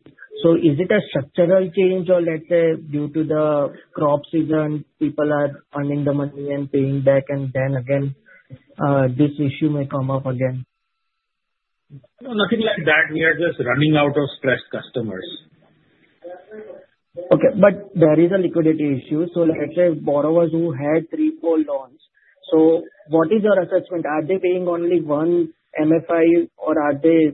Is it a structural change, or let's say due to the crop season, people are earning the money and paying back, and then again, this issue may come up again? Nothing like that. We are just running out of stressed customers. Okay. There is a liquidity issue. Let's say borrowers who had three or four loans. What is your assessment? Are they paying only one MFI, or are they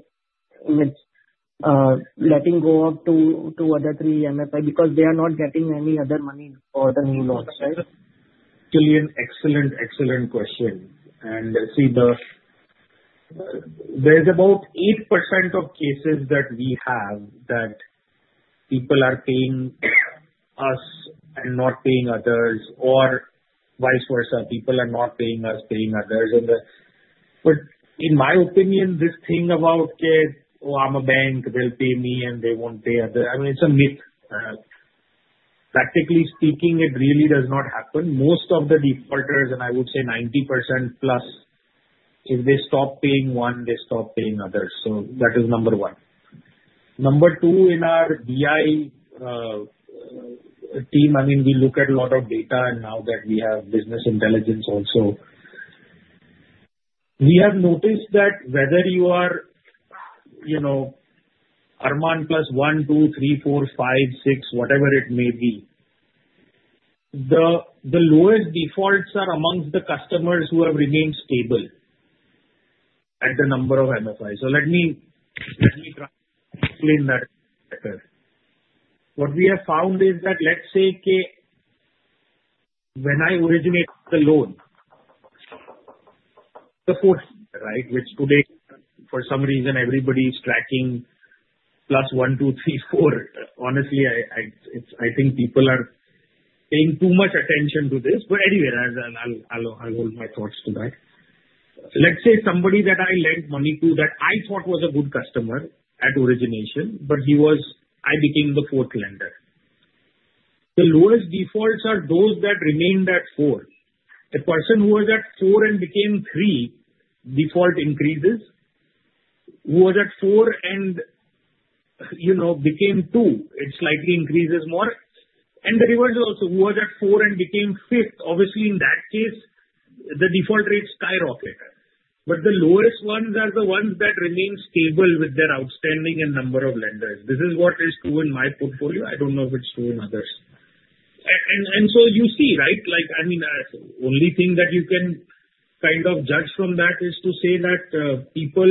letting go of two or three MFI because they are not getting any other money for the new loans, right? Actually, an excellent, excellent question. See, there's about 8% of cases that we have that people are paying us and not paying others, or vice versa, people are not paying us, paying others. In my opinion, this thing about, "Oh, I'm a bank, they'll pay me, and they won't pay others," I mean, it's a myth. Practically speaking, it really does not happen. Most of the defaulters, and I would say 90% plus, if they stop paying one, they stop paying others. That is number one. Number two, in our BI team, I mean, we look at a lot of data, and now that we have business intelligence also, we have noticed that whether you are Arman plus one, two, three, four, five, six, whatever it may be, the lowest defaults are amongst the customers who have remained stable at the number of MFIs. Let me try to explain that better. What we have found is that let's say when I originate the loan, the fourth, right, which today, for some reason, everybody is tracking plus one, two, three, four. Honestly, I think people are paying too much attention to this. Anyway, I'll hold my thoughts to that. Let's say somebody that I lent money to that I thought was a good customer at origination, but I became the fourth lender. The lowest defaults are those that remained at four. The person who was at four and became three, default increases. Who was at four and became two, it slightly increases more. The reverse is also, who was at four and became fifth, obviously, in that case, the default rates skyrocket. The lowest ones are the ones that remain stable with their outstanding and number of lenders. This is what is true in my portfolio. I don't know if it's true in others. You see, right? I mean, the only thing that you can kind of judge from that is to say that people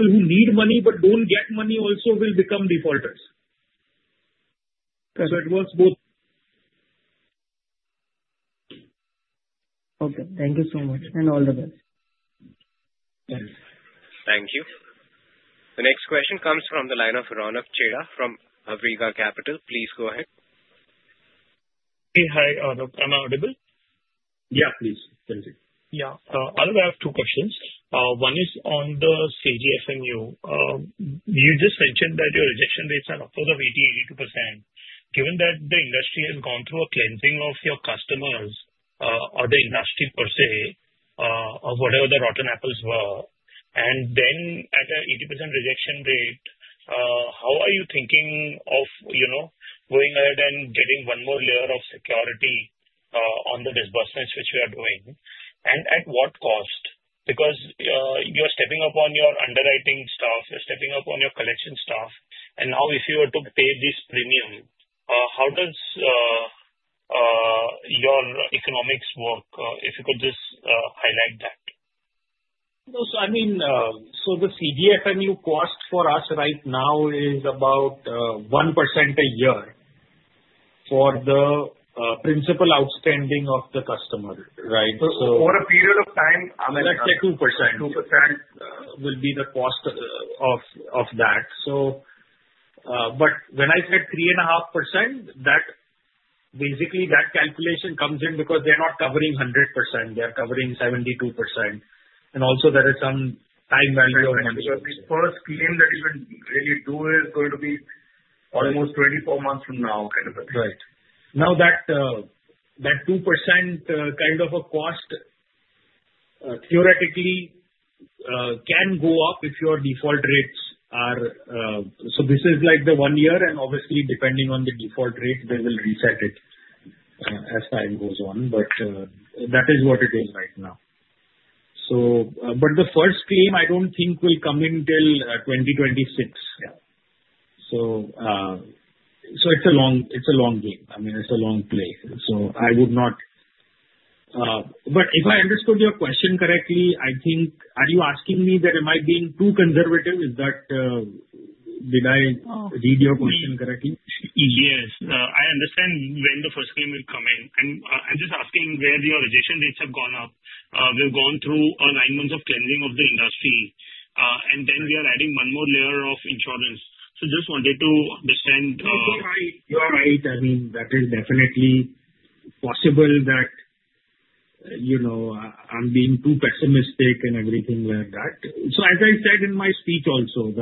who need money but don't get money also will become defaulters. It works both. Okay. Thank you so much. All the best. Thank you. The next question comes from the line of Ronak Chheda from Awriga Capital. Please go ahead. Hey, hi, Aalok. I'm audible? Yeah, please. Thank you. Yeah. I have two questions. One is on the CGFMU. You just mentioned that your rejection rates are upwards of 80-82%. Given that the industry has gone through a cleansing of your customers, or the industry per se, or whatever the rotten apples were, and then at an 80% rejection rate, how are you thinking of going ahead and getting one more layer of security on the disbursements which you are doing? At what cost? Because you're stepping up on your underwriting staff, you're stepping up on your collection staff. Now, if you were to pay this premium, how does your economics work? If you could just highlight that. I mean, the CGFMU cost for us right now is about 1% a year for the principal outstanding of the customer, right? For a period of time, I mean, let's say 2%. 2% will be the cost of that. When I said 3.5%, basically, that calculation comes in because they're not covering 100%. They're covering 72%. Also, there is some time. <crosstalk> Really do is going to be almost 24 months from now, kind of a thing. Right. Now, that 2% kind of a cost theoretically can go up if your default rates are, so this is like the one year, and obviously, depending on the default rate, they will reset it as time goes on. That is what it is right now. The first claim, I do not think, will come in till 2026. It is a long game. I mean, it is a long play. I would not, but if I understood your question correctly, I think, are you asking me that am I being too conservative? Did I read your question correctly? Yes. I understand when the first claim will come in. I am just asking where your rejection rates have gone up. We have gone through nine months of cleansing of the industry, and then we are adding one more layer of insurance. Just wanted to understand. You're right. You're right. I mean, that is definitely possible that I'm being too pessimistic and everything like that. As I said in my speech also, we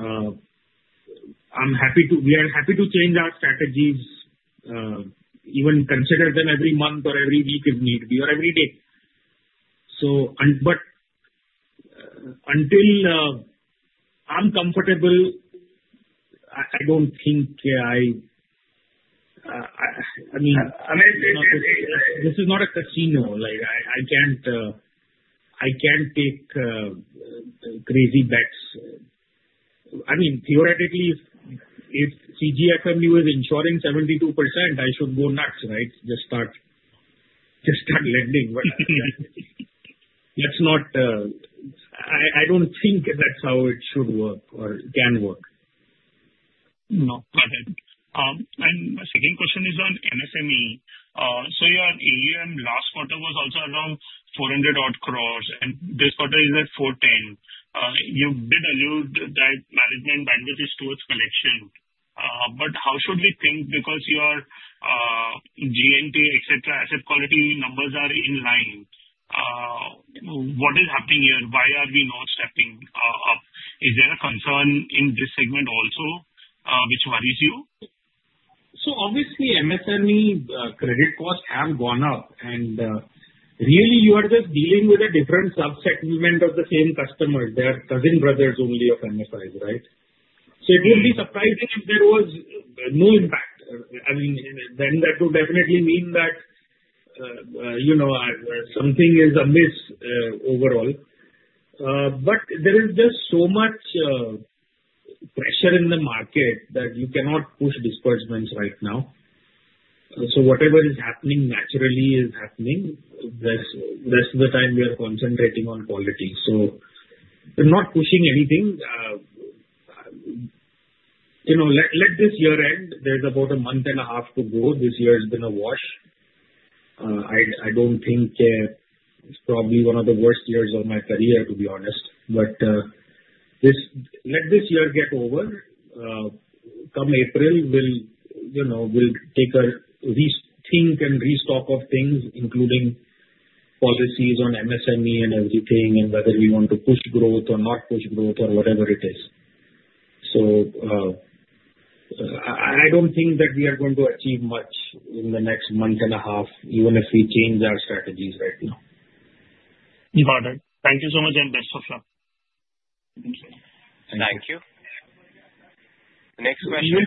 are happy to change our strategies, even consider them every month or every week if need be, or every day. Until I'm comfortable, I don't think I—I mean, this is not a casino. I can't take crazy bets. I mean, theoretically, if CGFMU is insuring 72%, I should go nuts, right? Just start lending. I don't think that's how it should work or can work. Got it. My second question is on MSME. Your AUM last quarter was also around 400 crore, and this quarter is at 410 crore. You did allude that management bandwidth is towards collection. How should we think? Your GNPA, etc., asset quality numbers are in line. What is happening here? Why are we not stepping up? Is there a concern in this segment also which worries you? Obviously, MSME credit costs have gone up. Really, you are just dealing with a different subsegment of the same customers. They are cousin brothers only of MFIs, right? It would be surprising if there was no impact. I mean, then that would definitely mean that something is amiss overall. There is just so much pressure in the market that you cannot push disbursements right now. Whatever is happening naturally is happening. The rest of the time, we are concentrating on quality. We're not pushing anything. Let this year end. There is about a month and a half to go. This year has been a wash. I do not think it is probably one of the worst years of my career, to be honest. Let this year get over. Come April, we'll take a rethink and restock of things, including policies on MSME and everything, and whether we want to push growth or not push growth or whatever it is. I don't think that we are going to achieve much in the next month and a half, even if we change our strategies right now. Got it. Thank you so much. Best of luck. <audio distortion> Thank you. Next question.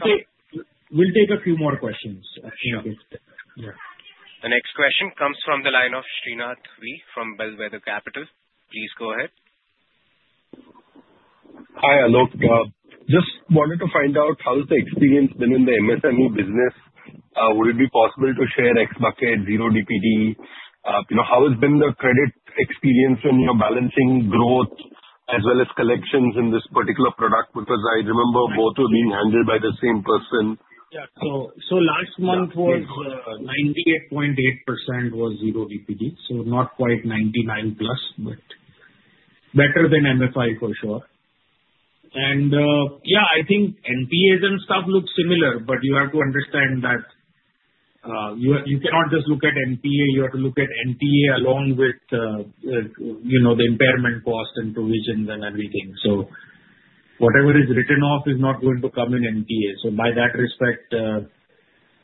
We'll take a few more questions. The next question comes from the line of Srinath V from Bellwether Capital. Please go ahead. Hi, Aalok. Just wanted to find out how's the experience been in the MSME business? Would it be possible to share X bucket, zero DPD? How has been the credit experience when you're balancing growth as well as collections in this particular product? Because I remember both were being handled by the same person. Yeah. Last month was 98.8% was zero DPD. Not quite 99% plus, but better than MFI for sure. I think NPAs and stuff look similar, but you have to understand that you cannot just look at NPA. You have to look at NPA along with the impairment cost and provisions and everything. Whatever is written off is not going to come in NPA. By that respect,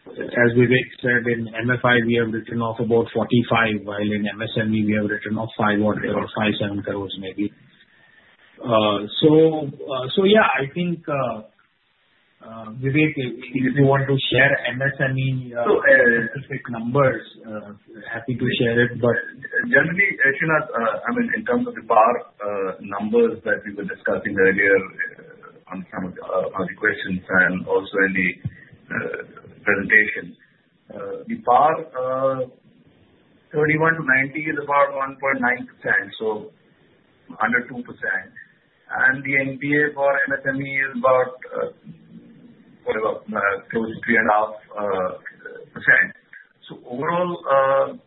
as Vivek said, in MFI, we have written off about 45, while in MSME, we have written off 5 or 7 crores maybe. I think, Vivek, if you want to share MSME specific numbers, happy to share it. Generally, Srinath, I mean, in terms of the bar numbers that we were discussing earlier on some of the questions and also in the presentation, the bar 31-90 is about 1.9%, so under 2%. The NPA for MSME is about close to 3.5%. Overall,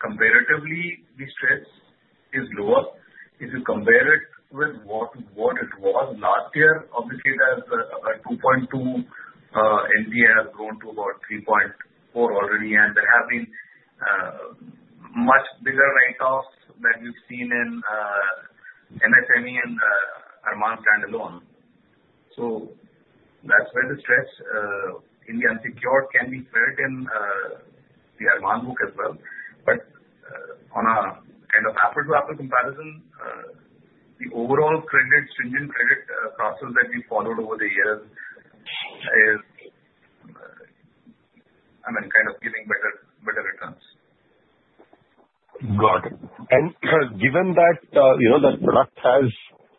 comparatively, this risk is lower. If you compare it with what it was last year, obviously, that is a 2.2% NPA has grown to about 3.4% already, and there have been much bigger write-offs that we've seen in MSME and Arman standalone. That is where the stress in the unsecured can be felt in the Arman book as well. On a kind of apple-to-apple comparison, the overall stringent credit process that we followed over the years is, I mean, kind of giving better returns. Got it. Given that the product has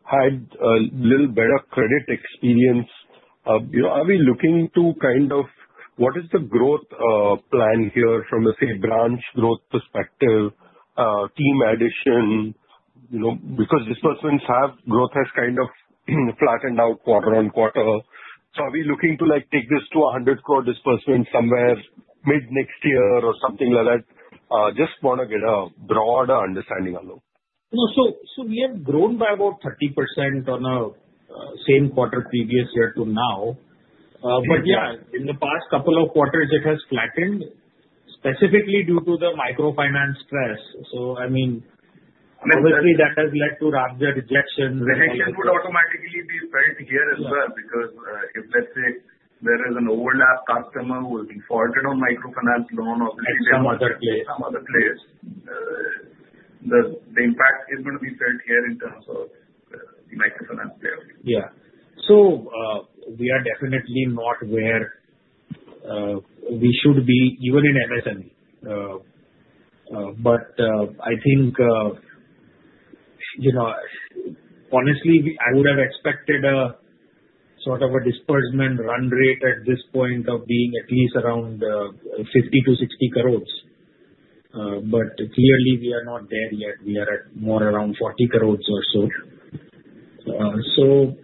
had a little better credit experience, are we looking to kind of what is the growth plan here from, let's say, branch growth perspective, team addition? Because disbursements have growth has kind of flattened out quarter on quarter. Are we looking to take this to 100 crore disbursement somewhere mid next year or something like that? Just want to get a broader understanding, Aalok. We have grown by about 30% on a same quarter previous year to now. Yeah, in the past couple of quarters, it has flattened specifically due to the microfinance stress. I mean, obviously, that has led to rapid rejections. Rejection would automatically be felt here as well because if, let's say, there is an overlap customer who is defaulted on microfinance loan, obviously. At some other place. At some other place, the impact is going to be felt here in terms of the microfinance player. Yeah. We are definitely not where we should be, even in MSME. I think, honestly, I would have expected sort of a disbursement run rate at this point of being at least around 50-60 crore. Clearly, we are not there yet. We are more around 40 crore or so.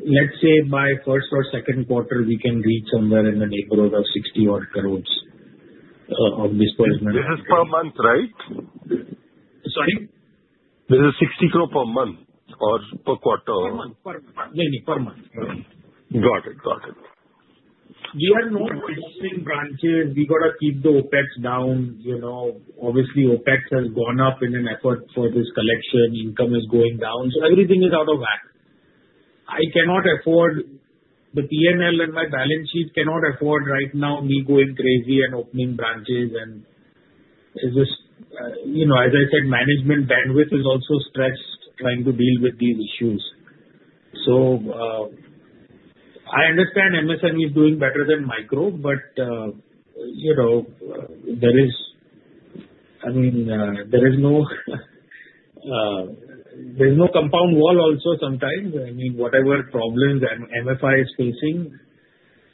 Let's say by first or second quarter, we can reach somewhere in the neighborhood of 60-odd crore of disbursement. This is per month, right? Sorry? This is 60 crores per month or per quarter? Per month. Per month. Got it. Got it. We are not disbursing branches. We got to keep the OpEx down. Obviously, OpEx has gone up in an effort for this collection. Income is going down. Everything is out of hand. I cannot afford the P&L and my balance sheet cannot afford right now me going crazy and opening branches. As I said, management bandwidth is also stressed trying to deal with these issues. I understand MSME is doing better than micro, but there is, I mean, there is no compound wall also sometimes. I mean, whatever problems MFI is facing,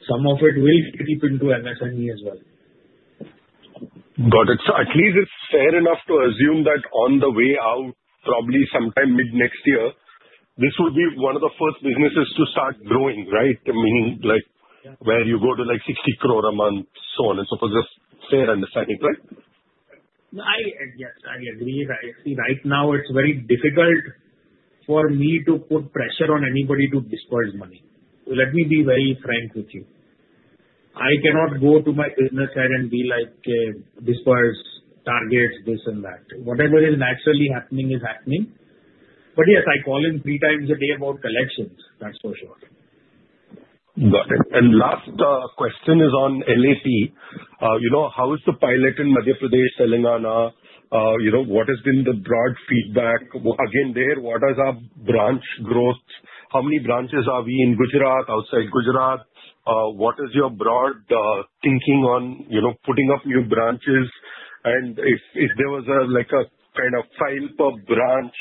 some of it will creep into MSME as well. Got it. At least it's fair enough to assume that on the way out, probably sometime mid next year, this would be one of the first businesses to start growing, right? Meaning where you go to 60 crore a month, so on and so forth. Just fair understanding, right? Yes, I agree. See, right now, it's very difficult for me to put pressure on anybody to disburse money. Let me be very frank with you. I cannot go to my business head and be like, "Disburse targets, this and that." Whatever is naturally happening is happening. Yes, I call in three times a day about collections. That's for sure. Got it. Last question is on LAP. How is the pilot in Madhya Pradesh, Telangana? What has been the broad feedback? Again, there, what are our branch growth? How many branches are we in Gujarat, outside Gujarat? What is your broad thinking on putting up new branches? If there was a kind of five per branch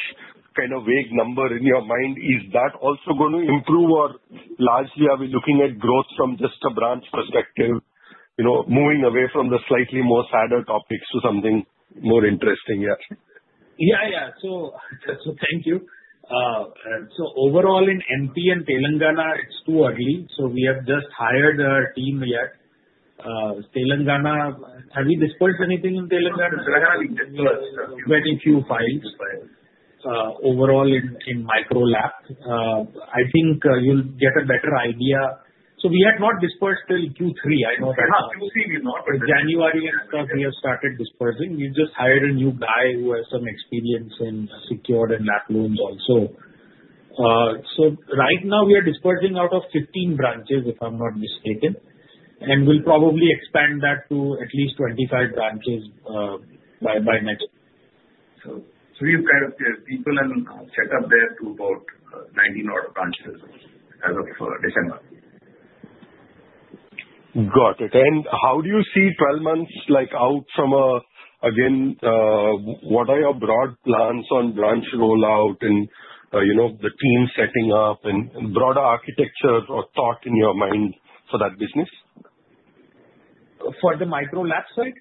kind of vague number in your mind, is that also going to improve? Or largely, are we looking at growth from just a branch perspective, moving away from the slightly more sadder topics to something more interesting? Yeah. Yeah. Yeah. Thank you. Overall, in MP and Telangana, it's too early. We have just hired our team yet. Telangana, have we disbursed anything in Telangana? <crosstalk> Twenty-two files. Overall, in micro lab, I think you'll get a better idea. We have not disbursed till Q3. I know that. <audio distortion> January and stuff, we have started disbursing. We've just hired a new guy who has some experience in secured and LAP loans also. Right now, we are disbursing out of 15 branches, if I'm not mistaken. We'll probably expand that to at least 25 branches by next year. We've got people and set up there to about 19-odd branches as of December. Got it. How do you see 12 months out from a, again, what are your broad plans on branch rollout and the team setting up and broader architecture or thought in your mind for that business? For the micro lab side?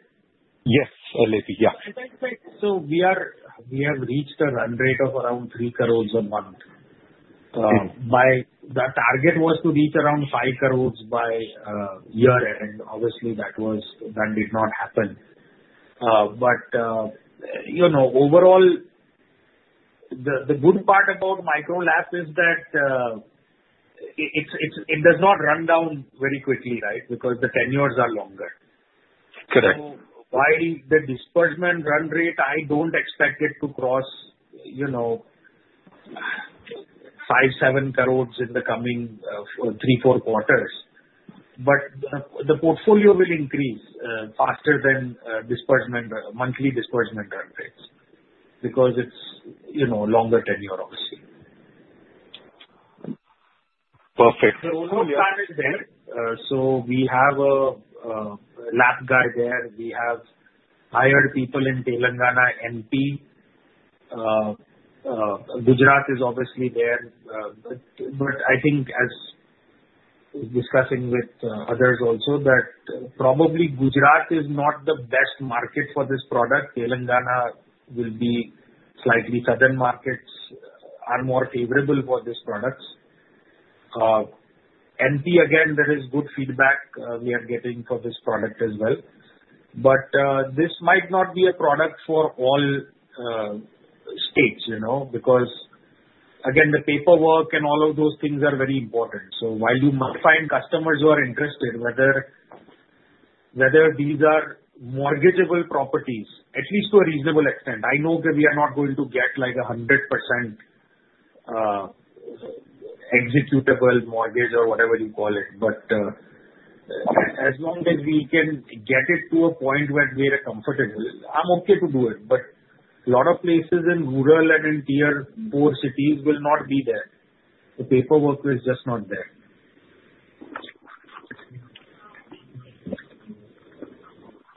Yes. LAP. Yeah. We have reached a run rate of around 3 crore a month. The target was to reach around 5 crore by year-end. Obviously, that did not happen. Overall, the good part about micro LAP is that it does not run down very quickly, right? Because the tenures are longer. Correct. While the disbursement run rate, I do not expect it to cross 5 crore-7 crore in the coming three-four quarters. The portfolio will increase faster than monthly disbursement run rates because it is longer tenure, obviously. Perfect. We have a lab guy there. We have hired people in Telangana, MP. Gujarat is obviously there. I think, as discussing with others also, that probably Gujarat is not the best market for this product. Telangana will be, slightly southern markets are more favorable for this product. MP, again, there is good feedback we are getting for this product as well. This might not be a product for all states because, again, the paperwork and all of those things are very important. While you might find customers who are interested, whether these are mortgageable properties, at least to a reasonable extent, I know that we are not going to get like a 100% executable mortgage or whatever you call it. As long as we can get it to a point where we are comfortable, I'm okay to do it. A lot of places in rural and in tier four cities will not be there. The paperwork is just not there.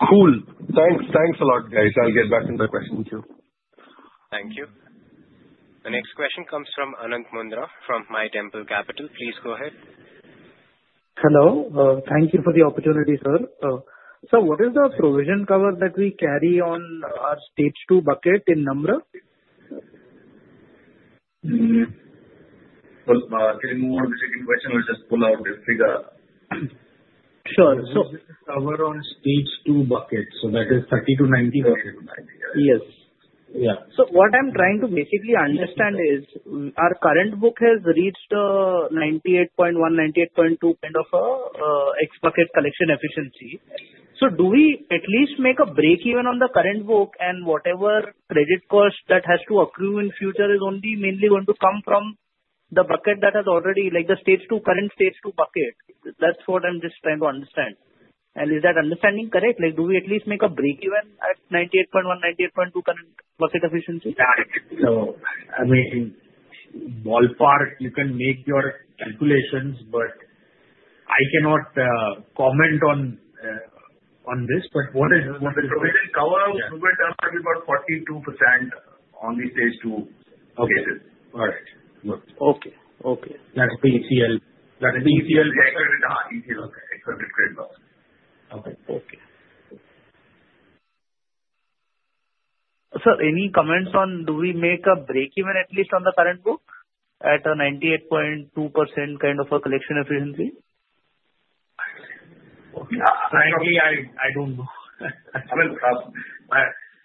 Cool. Thanks. Thanks a lot, guys. I'll get back to the questions too. Thank you. The next question comes from Anant Mundra from Mytemple Capital. Please go ahead. Hello. Thank you for the opportunity, sir. What is the provision cover that we carry on our stage two bucket in Namra? Can you move on to the second question or just pull out this figure? Sure. This is cover on stage two bucket. That is 30 to 90. Yes. Yeah. What I'm trying to basically understand is our current book has reached 98.1-98.2% kind of X bucket collection efficiency. Do we at least make a break even on the current book? Whatever credit cost that has to accrue in future is only mainly going to come from the bucket that has already, like the current stage two bucket. That's what I'm just trying to understand. Is that understanding correct? Do we at least make a break even at 98.1-98.2% current bucket efficiency? I mean, ballpark, you can make your calculations, but I cannot comment on this. What is the provision cover? Provision cover is about 42% on the stage two cases. Okay. All right. Good. Okay. Okay. That's the ECL. That's the ECL record. <audio distortion> Okay. Okay. Sir, any comments on do we make a break even at least on the current book at a 98.2% kind of a collection efficiency? Frankly, I don't know.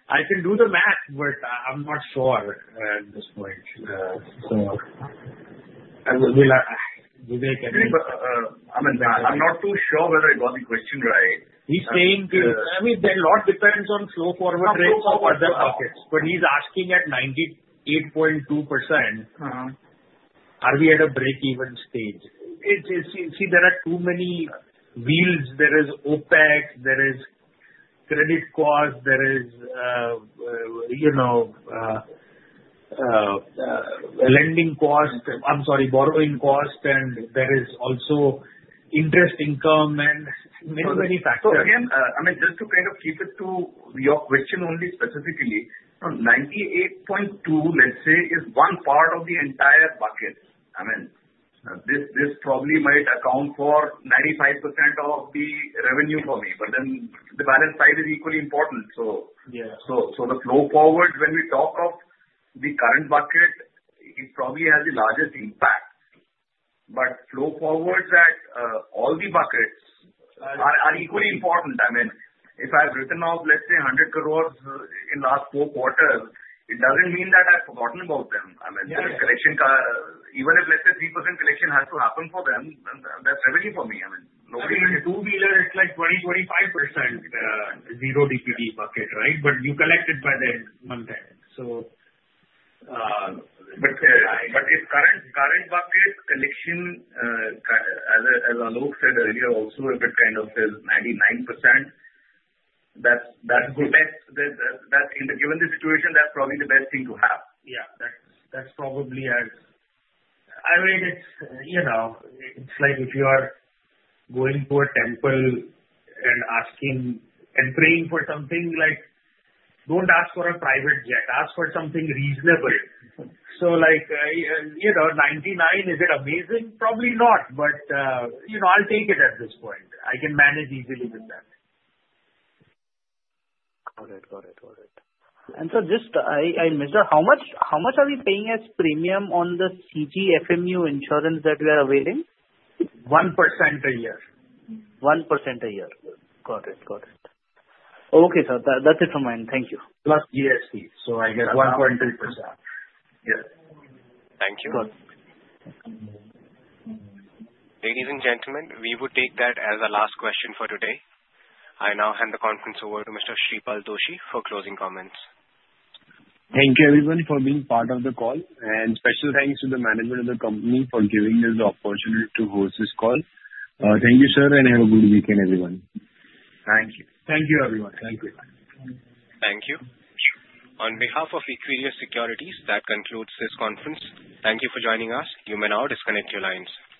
I can do the math, but I'm not sure at this point. And Vivek? I'm not too sure whether he got the question right. He's saying to me, I mean, a lot depends on flow forward rates for other buckets. He's asking at 98.2%. Are we at a break-even stage? See, there are too many wheels. There is OpEx. There is credit cost. There is lending cost. I'm sorry, borrowing cost. And there is also interest income and many, many factors. I mean, just to kind of keep it to your question only specifically, 98.2, let's say, is one part of the entire bucket. I mean, this probably might account for 95% of the revenue for me. But then the balance side is equally important. The flow forward, when we talk of the current bucket, it probably has the largest impact. Flow forward that all the buckets are equally important. I mean, if I've written out, let's say, 100 crore in the last four quarters, it doesn't mean that I've forgotten about them. I mean, even if, let's say, 3% collection has to happen for them, that's revenue for me. I mean, nobody can. In two-wheeler, it's like 20-25% zero DPD bucket, right? You collect it by the month end. If current bucket collection, as Aalok said earlier, also if it kind of is 99%, that's good. Given the situation, that's probably the best thing to have. Yeah. That's probably as is. I mean, it's like if you are going to a temple and asking and praying for something, don't ask for a private jet. Ask for something reasonable. So 99, is it amazing? Probably not. But I'll take it at this point. I can manage easily with that. Got it. Got it. Got it. Sir, just I missed out. How much are we paying as premium on the CGFMU insurance that we are availing? 1% a year. 1% a year. Got it. Got it. Okay, sir. That's it from my end. Thank you. Plus GST. I guess 1.2%. Yeah. Thank you. Ladies and gentlemen, we would take that as our last question for today. I now hand the conference over to Mr. Shreepal Doshi for closing comments. Thank you, everyone, for being part of the call. Special thanks to the management of the company for giving us the opportunity to host this call. Thank you, sir, and have a good weekend, everyone. Thank you. Thank you, everyone. Thank you. Thank you. On behalf of Equirus Securities, that concludes this conference. Thank you for joining us. You may now disconnect your lines.